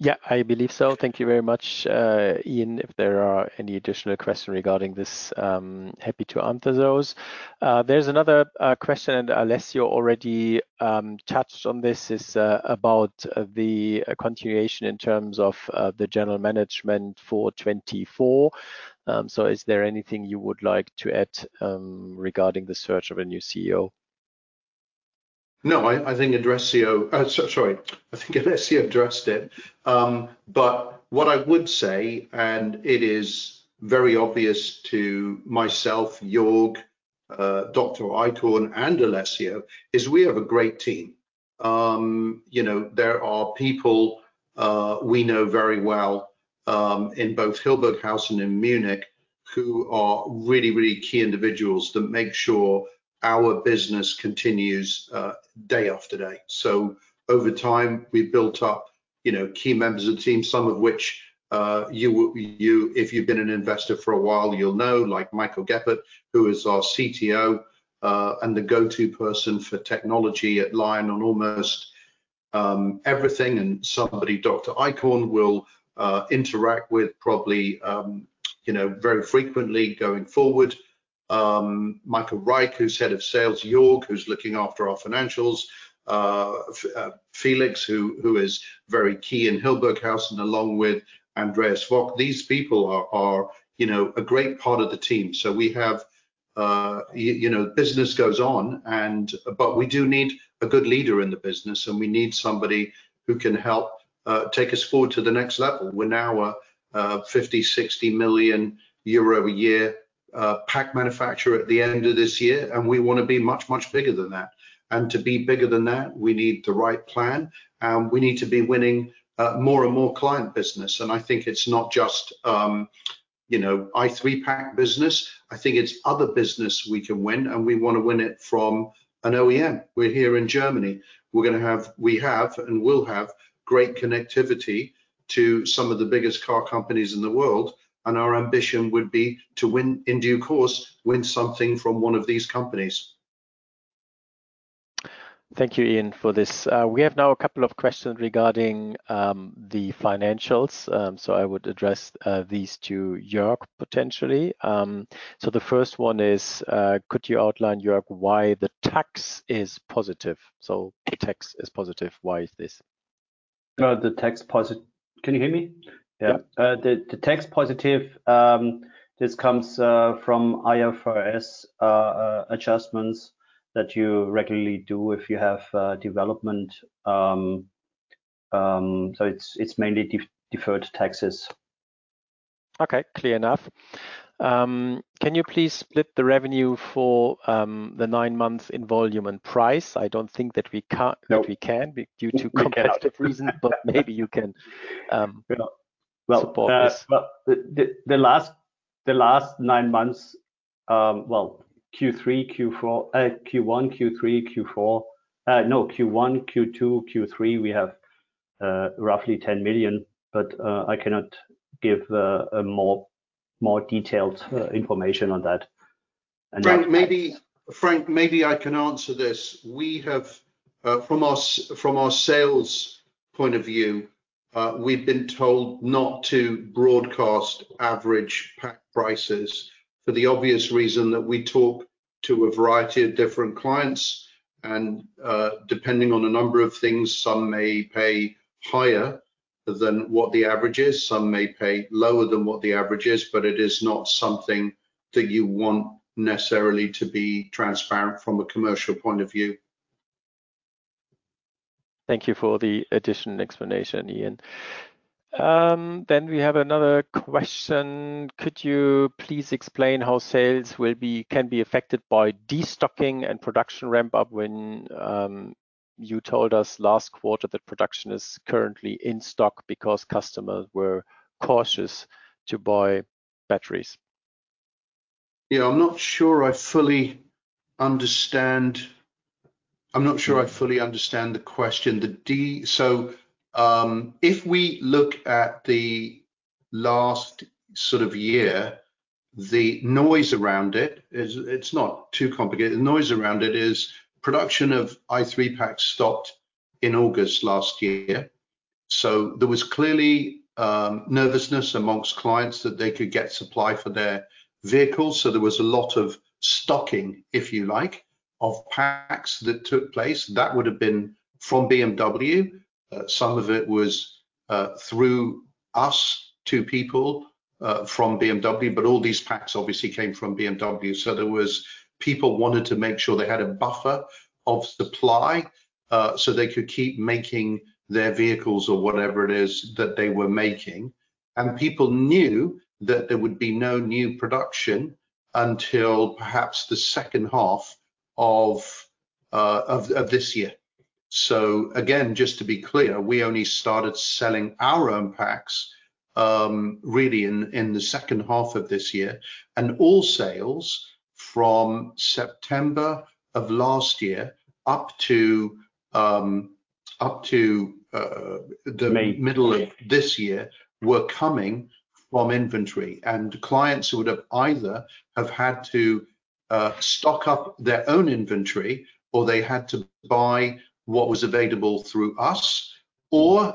Yeah, I believe so. Thank you very much, Ian. If there are any additional questions regarding this, happy to answer those. There's another question, and Alessio already touched on this, is about the continuation in terms of the general management for 2024. So is there anything you would like to add regarding the search of a new CEO? No, I think addressed [CEO]. Sorry, I think Alessio addressed it. But what I would say, and it is very obvious to myself, Jörg, Dr. Eichhorn, and Alessio, is we have a great team. You know, there are people we know very well in both Hildburghausen and in Munich, who are really, really key individuals that make sure our business continues day after day. So over time, we've built up, you know, key members of the team, some of which you, if you've been an investor for a while, you'll know, like Michael Geppert, who is our CTO, and the go-to person for technology at LION on almost everything, and somebody Dr. Eichhorn will interact with probably, you know, very frequently going forward. Michael Reich, who's head of sales, Jörg, who's looking after our financials, Felix, who is very key in Hildburghausen, along with Andreas Vogt. These people are, you know, a great part of the team. So we have, you know, business goes on, and, but we do need a good leader in the business, and we need somebody who can help take us forward to the next level. We're now a 50 million-60 million euro a year pack manufacturer at the end of this year, and we want to be much, much bigger than that. And to be bigger than that, we need the right plan, and we need to be winning more and more client business, and I think it's not just, you know, i3 pack business. I think it's other business we can win, and we want to win it from an OEM. We're here in Germany. We're gonna have, we have, and will have, great connectivity to some of the biggest car companies in the world, and our ambition would be to win, in due course, win something from one of these companies. Thank you, Ian, for this. We have now a couple of questions regarding the financials, so I would address these to Jörg, potentially. The first one is, could you outline, Jörg, why the tax is positive? So the tax is positive. Why is this? Can you hear me? Yeah. Yeah, the tax positive, this comes from IFRS adjustments that you regularly do if you have development. So it's mainly deferred taxes. Okay, clear enough. Can you please split the revenue for the nine months in volume and price? I don't think that we can- No... that we can, due to competitive reasons- We cannot.... but maybe you can, We not Well, support this. Well, the last nine months, well, Q3, Q4, Q1, Q3, Q4, no, Q1, Q2, Q3, we have roughly 10 million, but I cannot give a more detailed information on that. And- Frank, maybe, Frank, maybe I can answer this. We have, from our sales point of view, we've been told not to broadcast average pack prices for the obvious reason that we talk to a variety of different clients, and, depending on a number of things, some may pay higher than what the average is, some may pay lower than what the average is, but it is not something that you want necessarily to be transparent from a commercial point of view. Thank you for the additional explanation, Ian. Then we have another question: Could you please explain how sales will be, can be affected by destocking and production ramp-up when you told us last quarter that production is currently in stock because customers were cautious to buy batteries? Yeah, I'm not sure I fully understand... I'm not sure I fully understand the question. So, if we look at the last sort of year, the noise around it is, it's not too complicated. The noise around it is production of i3 packs stopped in August last year, so there was clearly nervousness among clients that they could get supply for their vehicles, so there was a lot of stocking, if you like, of packs that took place. That would have been from BMW. Some of it was through us, to people from BMW, but all these packs obviously came from BMW. So there was, people wanted to make sure they had a buffer of supply, so they could keep making their vehicles or whatever it is that they were making, and people knew that there would be no new production until perhaps the second half of this year. So again, just to be clear, we only started selling our own packs, really in the second half of this year. And all sales from September of last year up to May the middle of this year, we're coming from inventory, and clients would have had to stock up their own inventory, or they had to buy what was available through us, or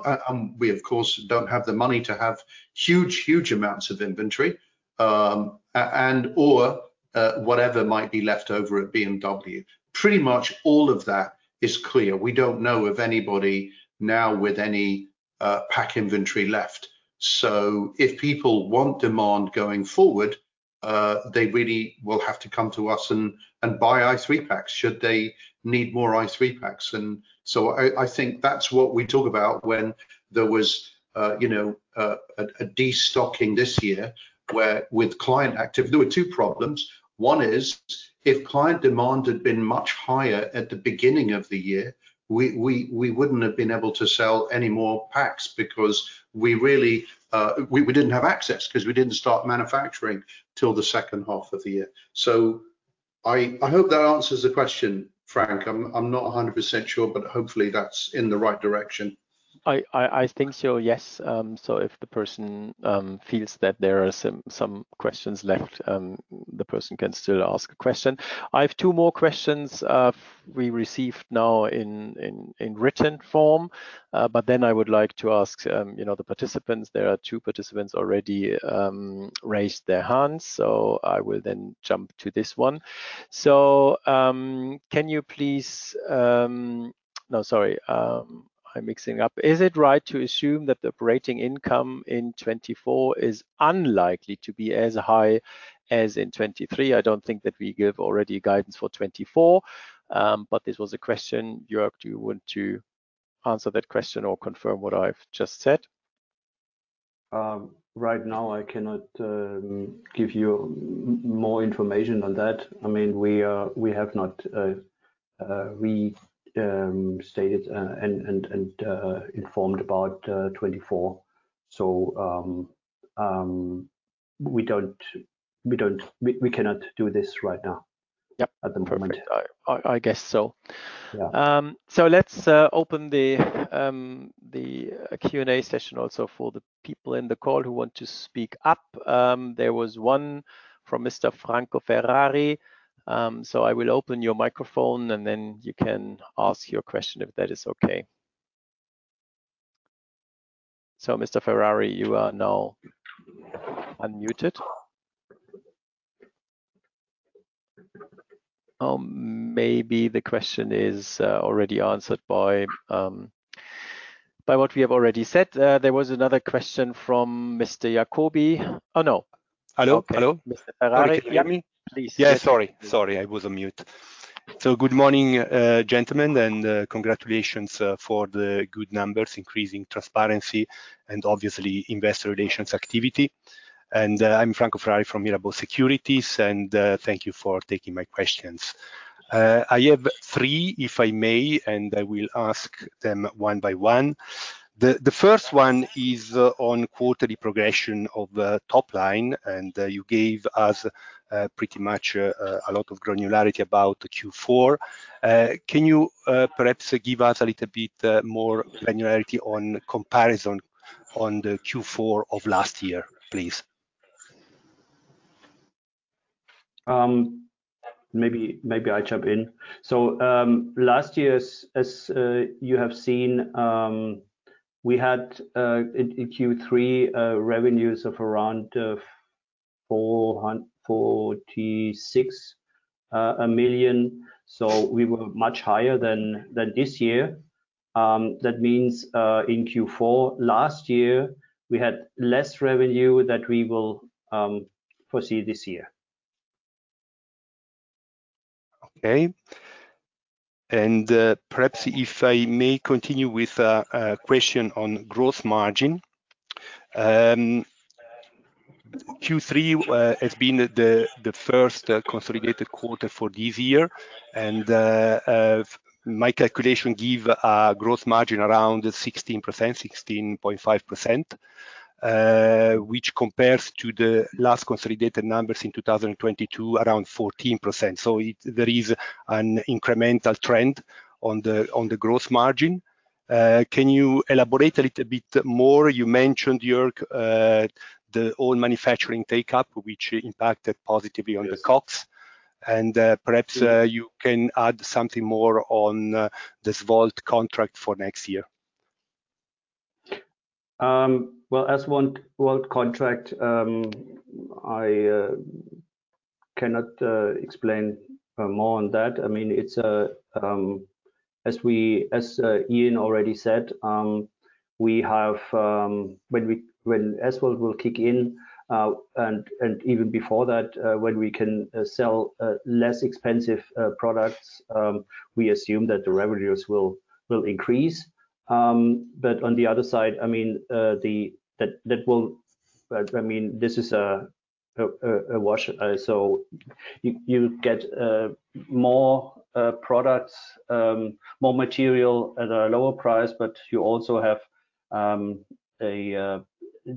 we of course don't have the money to have huge, huge amounts of inventory, or whatever might be left over at BMW. Pretty much all of that is clear. We don't know of anybody now with any pack inventory left. So if people want demand going forward, they really will have to come to us and buy i3 packs, should they need more i3 packs. And so I think that's what we talk about when there was, you know, a destocking this year, where with client active— There were two problems. One is, if client demand had been much higher at the beginning of the year, we wouldn't have been able to sell any more packs because we really, we didn't have access, 'cause we didn't start manufacturing till the second half of the year. So I hope that answers the question, Frank. I'm not 100% sure, but hopefully that's in the right direction. I think so, yes. So if the person feels that there are some questions left, the person can still ask a question. I have two more questions we received now in written form, but then I would like to ask, you know, the participants. There are two participants already raised their hands, so I will then jump to this one. So, can you please... No, sorry, I'm mixing up. Is it right to assume that the operating income in 2024 is unlikely to be as high as in 2023? I don't think that we give already guidance for 2024, but this was a question. Jörg, do you want to answer that question or confirm what I've just said? Right now, I cannot give you more information on that. I mean, we are, we have not restated and informed about 2024. So, we don't—we cannot do this right now- Yep. At the moment. Perfect. I guess so. Yeah. So let's open the Q&A session also for the people in the call who want to speak up. There was one from Mr. Franco Ferrari. So I will open your microphone, and then you can ask your question, if that is okay. So, Mr. Ferrari, you are now unmuted. Maybe the question is already answered by by what we have already said. There was another question from Mr. Jacobi. Oh, no. Hello? Hello. Mr. Ferrari. Can you hear me? Please. Yeah, sorry. Sorry, I was on mute. So good morning, gentlemen, and congratulations for the good numbers, increasing transparency, and obviously, investor relations activity. I'm Franco Ferrari from Mirabaud Securities, and thank you for taking my questions. I have three, if I may, and I will ask them one by one. The first one is on quarterly progression of the top line, and you gave us pretty much a lot of granularity about the Q4. Can you perhaps give us a little bit more granularity on comparison on the Q4 of last year, please? Maybe, maybe I jump in. So, last year, as, as, you have seen, we had, in, in Q3, revenues of around 46 million, so we were much higher than, than this year. That means, in Q4 last year, we had less revenue that we will foresee this year. Okay. Perhaps if I may continue with a question on growth margin. Q3 has been the first consolidated quarter for this year, and my calculation give a growth margin around 16%, 16.5%, which compares to the last consolidated numbers in 2022, around 14%. So there is an incremental trend on the growth margin. Can you elaborate a little bit more? You mentioned, Jörg, the own manufacturing take-up, which impacted positively on the costs. Yes. Perhaps you can add something more on this Volt contract for next year. Well, as Volt contract, I cannot explain more on that. I mean, it's... As we, as Ian already said, we have, when we- when Volt will kick in, and even before that, when we can sell less expensive products, we assume that the revenues will increase. But on the other side, I mean, that will- but I mean, this is a wash, so you get more products, more material at a lower price, but you also have,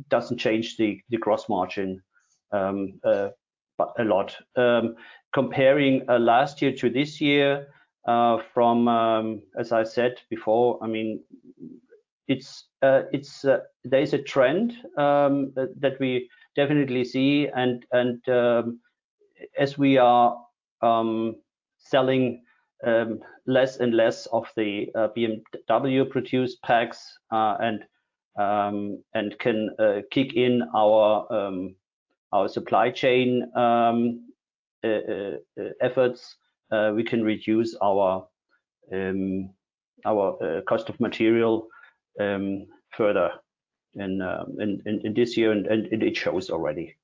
doesn't change the gross margin, but a lot. Comparing last year to this year, as I said before, I mean, there is a trend that we definitely see, and as we are selling less and less of the BMW-produced packs, and can kick in our supply chain efforts, we can reduce our cost of material further in this year, and it shows already.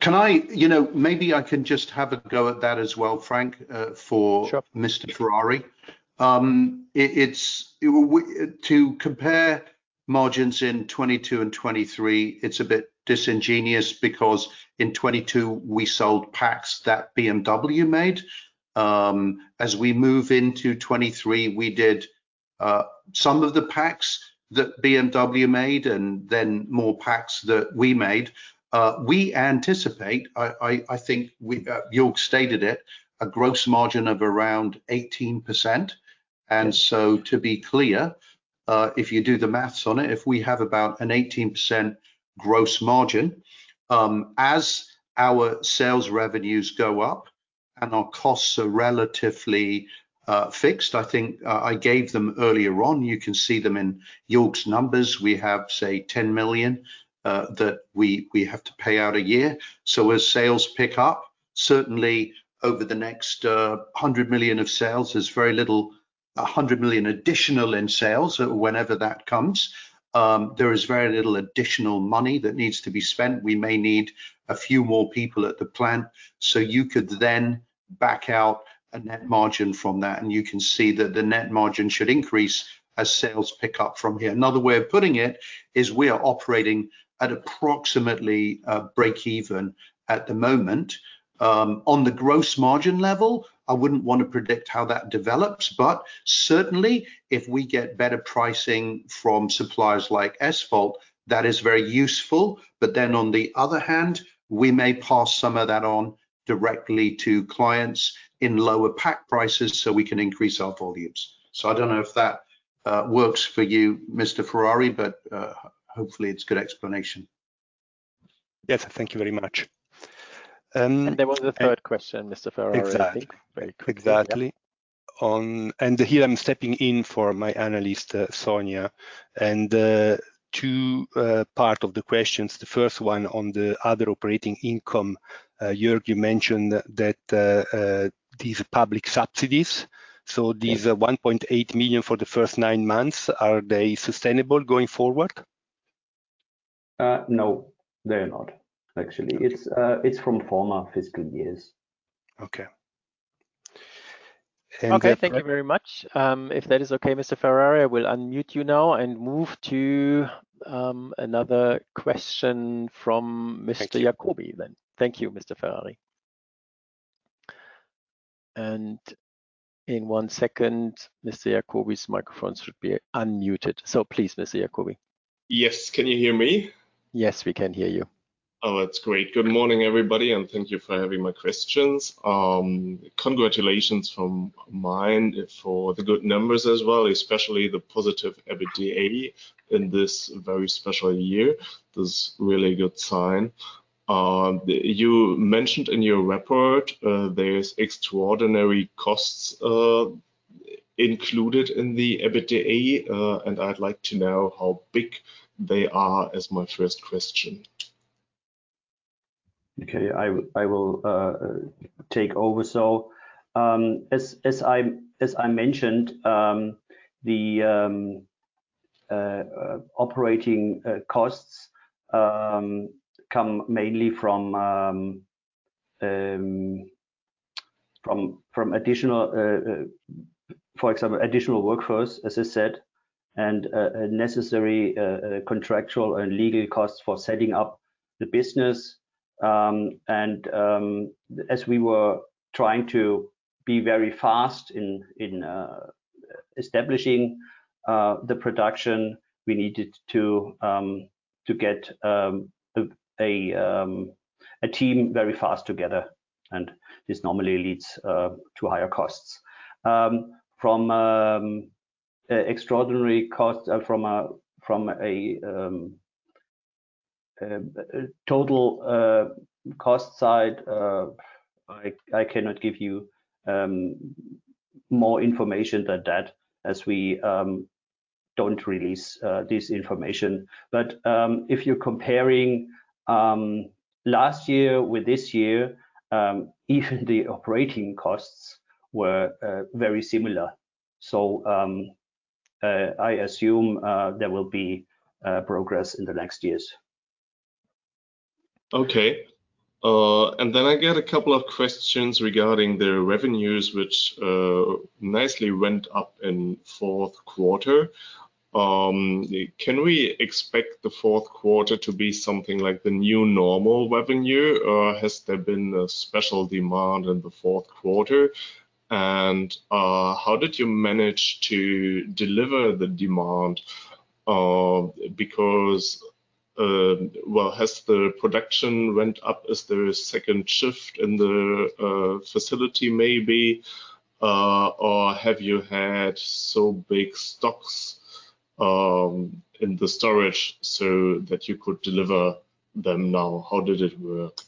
Can I, you know, maybe I can just have a go at that as well, Frank, for- Sure. Mr. Ferrari. It's to compare margins in 2022 and 2023, it's a bit disingenuous because in 2022 we sold packs that BMW made. As we move into 2023, we did some of the packs that BMW made, and then more packs that we made. We anticipate, I think we, Jörg stated it, a gross margin of around 18%. And so to be clear, if you do the math on it, if we have about an 18% gross margin, as our sales revenues go up and our costs are relatively fixed, I think, I gave them earlier on, you can see them in Jörg's numbers. We have, say, 10 million that we have to pay out a year. So as sales pick up, certainly over the next 100 million of sales, there's very little—a 100 million additional in sales, whenever that comes, there is very little additional money that needs to be spent. We may need a few more people at the plant. So you could then back out a net margin from that, and you can see that the net margin should increase as sales pick up from here. Another way of putting it is we are operating at approximately breakeven at the moment. On the gross margin level, I wouldn't want to predict how that develops, but certainly if we get better pricing from suppliers like SVOLT, that is very useful. But then on the other hand, we may pass some of that on directly to clients in lower pack prices, so we can increase our volumes. I don't know if that works for you, Mr. Ferrari, but hopefully it's a good explanation. Yes, thank you very much. There was a third question, Mr. Ferrari. Exactly. Very quickly, yeah. Exactly. Here I'm stepping in for my analyst, Sonia. And two part of the questions, the first one on the other operating income. Jörg, you mentioned that these public subsidies, so these are 1.8 million for the first nine months, are they sustainable going forward? No, they are not. Actually, it's from former fiscal years. Okay. And- Okay, thank you very much. If that is okay, Mr. Ferrari, I will unmute you now and move to another question from- Thank you. Mr. Jacobi, then. Thank you, Mr. Ferrari. In one second, Mr. Jacobi's microphones should be unmuted. Please, Mr. Jacobi. Yes, can you hear me? Yes, we can hear you. Oh, that's great. Good morning, everybody, and thank you for having my questions. Congratulations from mine for the good numbers as well, especially the positive EBITDA in this very special year. That's a really good sign. You mentioned in your report, there is extraordinary costs included in the EBITDA, and I'd like to know how big they are, as my first question. Okay, I will take over. So, as I mentioned, the operating costs come mainly from additional, for example, additional workforce, as I said, and necessary contractual and legal costs for setting up the business. And, as we were trying to be very fast in establishing the production, we needed to get a team very fast together, and this normally leads to higher costs. From extraordinary costs, from a total cost side, I cannot give you more information than that, as we don't release this information. If you're comparing last year with this year, even the operating costs were very similar. I assume there will be progress in the next years.... Okay. And then I get a couple of questions regarding the revenues, which nicely went up in fourth quarter. Can we expect the fourth quarter to be something like the new normal revenue, or has there been a special demand in the fourth quarter? And how did you manage to deliver the demand, because well, has the production went up? Is there a second shift in the facility maybe, or have you had so big stocks in the storage so that you could deliver them now? How did it work?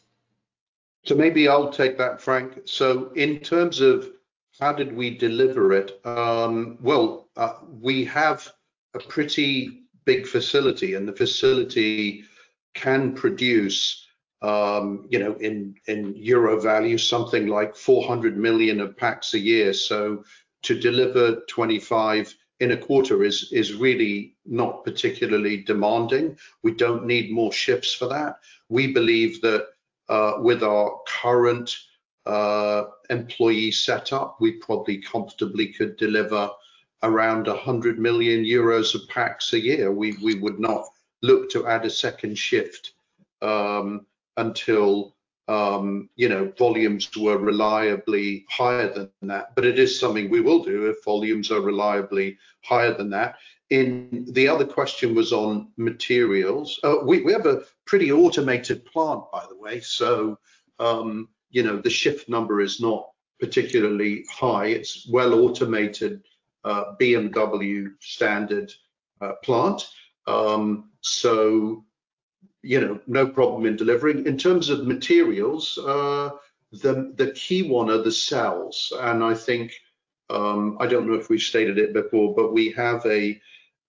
So maybe I'll take that, Frank. So in terms of how did we deliver it, well, we have a pretty big facility, and the facility can produce, you know, in euro value, something like 400 million of packs a year. So to deliver 25 in a quarter is really not particularly demanding. We don't need more shifts for that. We believe that, with our current employee setup, we probably comfortably could deliver around 100 million euros of packs a year. We would not look to add a second shift, until you know, volumes were reliably higher than that. But it is something we will do if volumes are reliably higher than that. In the other question was on materials. We have a pretty automated plant, by the way. So, you know, the shift number is not particularly high. It's well automated, BMW standard, plant. So, you know, no problem in delivering. In terms of materials, the key one are the cells, and I think, I don't know if we've stated it before, but we have a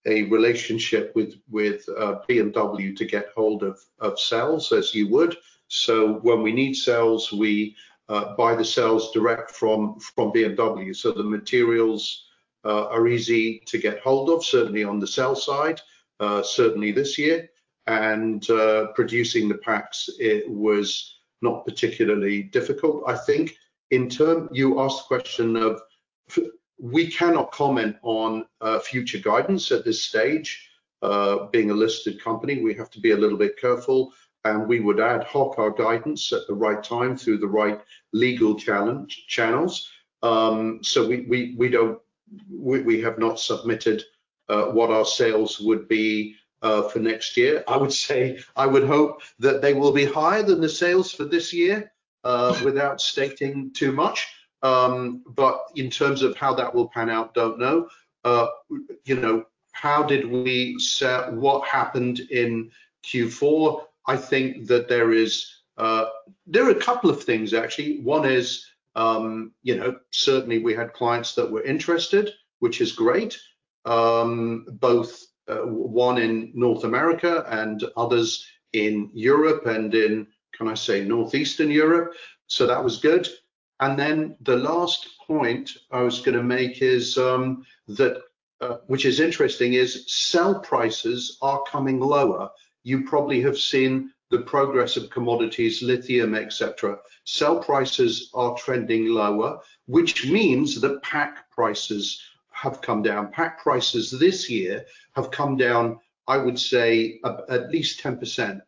relationship with BMW to get hold of cells, as you would. So when we need cells, we buy the cells direct from BMW. So the materials are easy to get hold of, certainly on the cell side, certainly this year. And producing the packs, it was not particularly difficult. I think in turn, you asked the question, we cannot comment on future guidance at this stage. Being a listed company, we have to be a little bit careful, and we would ad hoc our guidance at the right time through the right legal channels. So we don't, we have not submitted what our sales would be for next year. I would say, I would hope that they will be higher than the sales for this year without stating too much. But in terms of how that will pan out, don't know. You know, how did we set what happened in Q4? I think that there are a couple of things, actually. One is, you know, certainly we had clients that were interested, which is great, both one in North America and others in Europe and in, can I say, Northeastern Europe. So that was good. Then the last point I was gonna make is that which is interesting is cell prices are coming lower. You probably have seen the progress of commodities, lithium, et cetera. Cell prices are trending lower, which means that pack prices have come down. Pack prices this year have come down, I would say, at least 10%.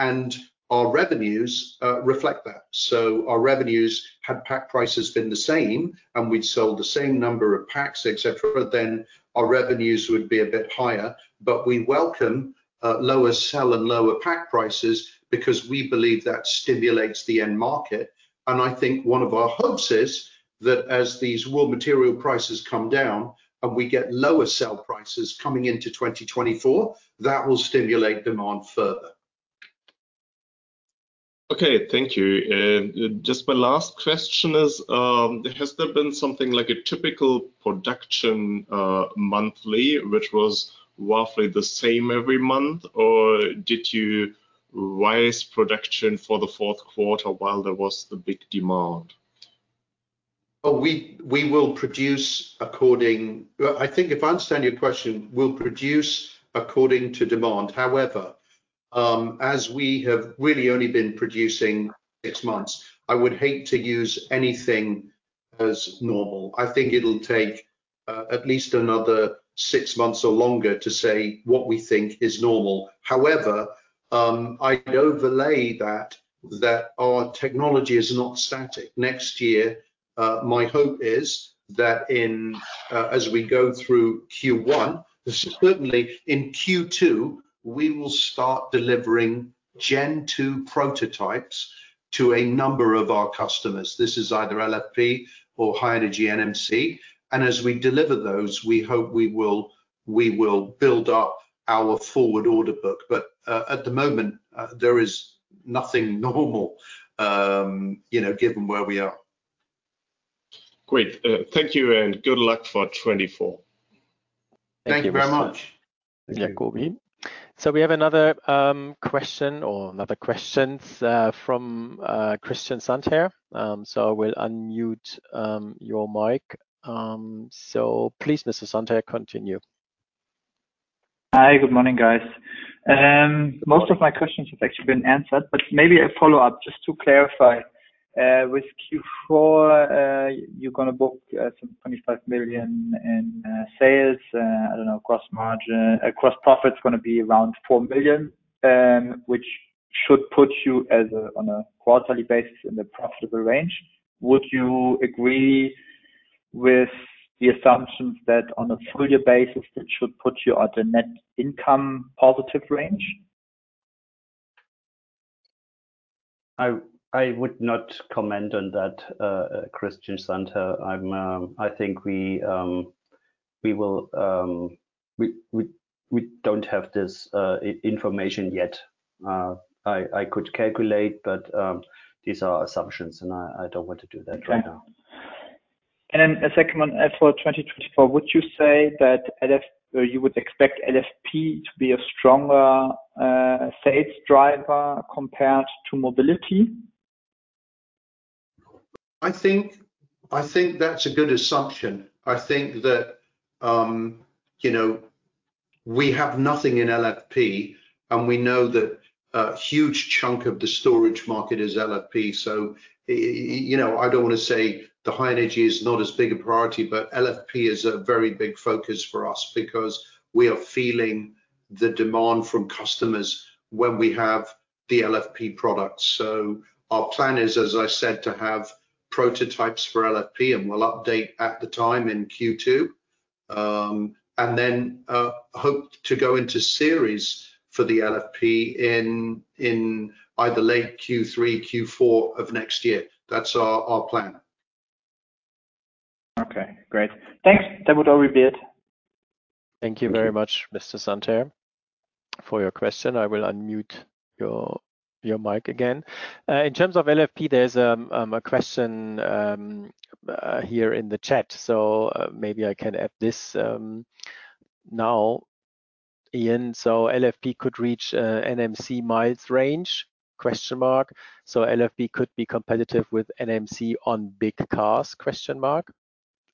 And our revenues reflect that. So our revenues, had pack prices been the same, and we'd sold the same number of packs, et cetera, then our revenues would be a bit higher. But we welcome lower cell and lower pack prices because we believe that stimulates the end market. And I think one of our hopes is that as these raw material prices come down, and we get lower cell prices coming into 2024, that will stimulate demand further. Okay, thank you. And just my last question is, has there been something like a typical production monthly, which was roughly the same every month, or did you raise production for the fourth quarter while there was the big demand? We will produce according... Well, I think if I understand your question, we'll produce according to demand. However, as we have really only been producing six months, I would hate to use anything as normal. I think it'll take at least another six months or longer to say what we think is normal. However, I'd overlay that our technology is not static. Next year, my hope is that in as we go through Q1, certainly in Q2, we will start delivering Gen 2 prototypes to a number of our customers. This is either LFP or high-energy NMC, and as we deliver those, we hope we will build up our forward order book. But at the moment, there is nothing normal, you know, given where we are. Great. Thank you, and good luck for 2024. Thank you very much. Thank you. We have another question or another questions from Christian Sandherr. I will unmute your mic. Please, Mr. Sandherr, continue.... Hi, good morning, guys. Most of my questions have actually been answered, but maybe a follow-up, just to clarify. With Q4, you're gonna book some 25 million in sales. I don't know, gross margin, gross profit is gonna be around 4 million, which should put you as a, on a quarterly basis in the profitable range. Would you agree with the assumptions that on a full year basis, that should put you at a net income positive range? I would not comment on that, Christian Sandherr. I think we will, we don't have this information yet. I could calculate, but these are assumptions, and I don't want to do that right now. Okay. Then a second one, for 2024, would you say that LFP, you would expect LFP to be a stronger sales driver compared to mobility? I think, I think that's a good assumption. I think that, you know, we have nothing in LFP, and we know that a huge chunk of the storage market is LFP. So, you know, I don't want to say the high energy is not as big a priority, but LFP is a very big focus for us because we are feeling the demand from customers when we have the LFP products. So our plan is, as I said, to have prototypes for LFP, and we'll update at the time in Q2. And then, hope to go into series for the LFP in, in either late Q3, Q4 of next year. That's our, our plan. Okay, great. Thanks. That would already be it. Thank you very much, Mr. Sandherr, for your question. I will unmute your, your mic again. In terms of LFP, there's a question here in the chat, so maybe I can add this now, Ian. So LFP could reach NMC miles range, question mark. So LFP could be competitive with NMC on big cars, question mark.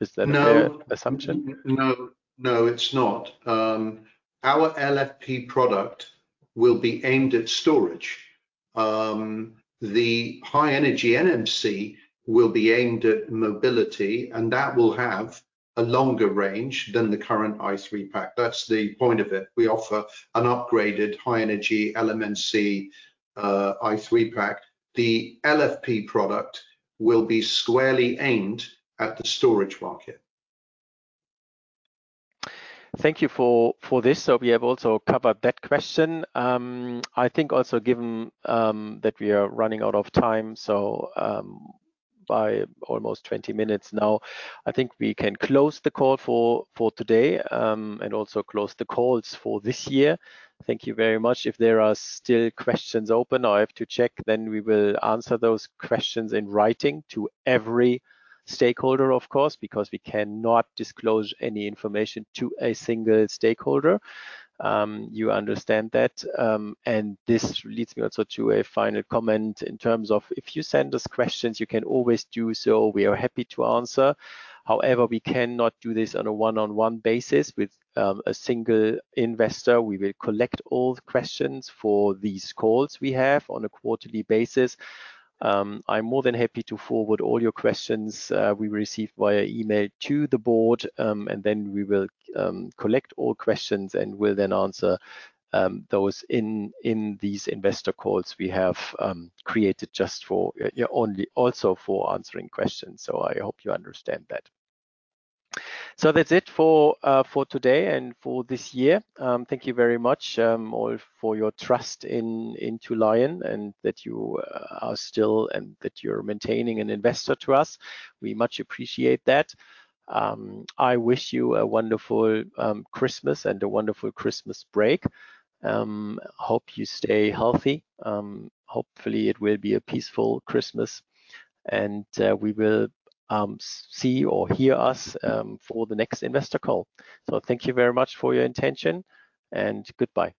Is that a fair assumption? No, no, it's not. Our LFP product will be aimed at storage. The high-energy NMC will be aimed at mobility, and that will have a longer range than the current i3 pack. That's the point of it. We offer an upgraded, high-energy NMC, i3 pack. The LFP product will be squarely aimed at the storage market. Thank you for this. So we have also covered that question. I think also given that we are running out of time, so by almost 20 minutes now, I think we can close the call for today, and also close the calls for this year. Thank you very much. If there are still questions open, I have to check, then we will answer those questions in writing to every stakeholder, of course, because we cannot disclose any information to a single stakeholder. You understand that, and this leads me also to a final comment in terms of if you send us questions, you can always do so. We are happy to answer. However, we cannot do this on a one-on-one basis with a single investor. We will collect all the questions for these calls we have on a quarterly basis. I'm more than happy to forward all your questions we received via email to the board, and then we will collect all questions, and we'll then answer those in these investor calls we have created just for only also for answering questions. So I hope you understand that. So that's it for today and for this year. Thank you very much all for your trust in to LION, and that you are still, and that you're maintaining an investor to us. We much appreciate that. I wish you a wonderful Christmas and a wonderful Christmas break. Hope you stay healthy. Hopefully, it will be a peaceful Christmas, and we will see or hear us for the next investor call. So thank you very much for your intention, and goodbye.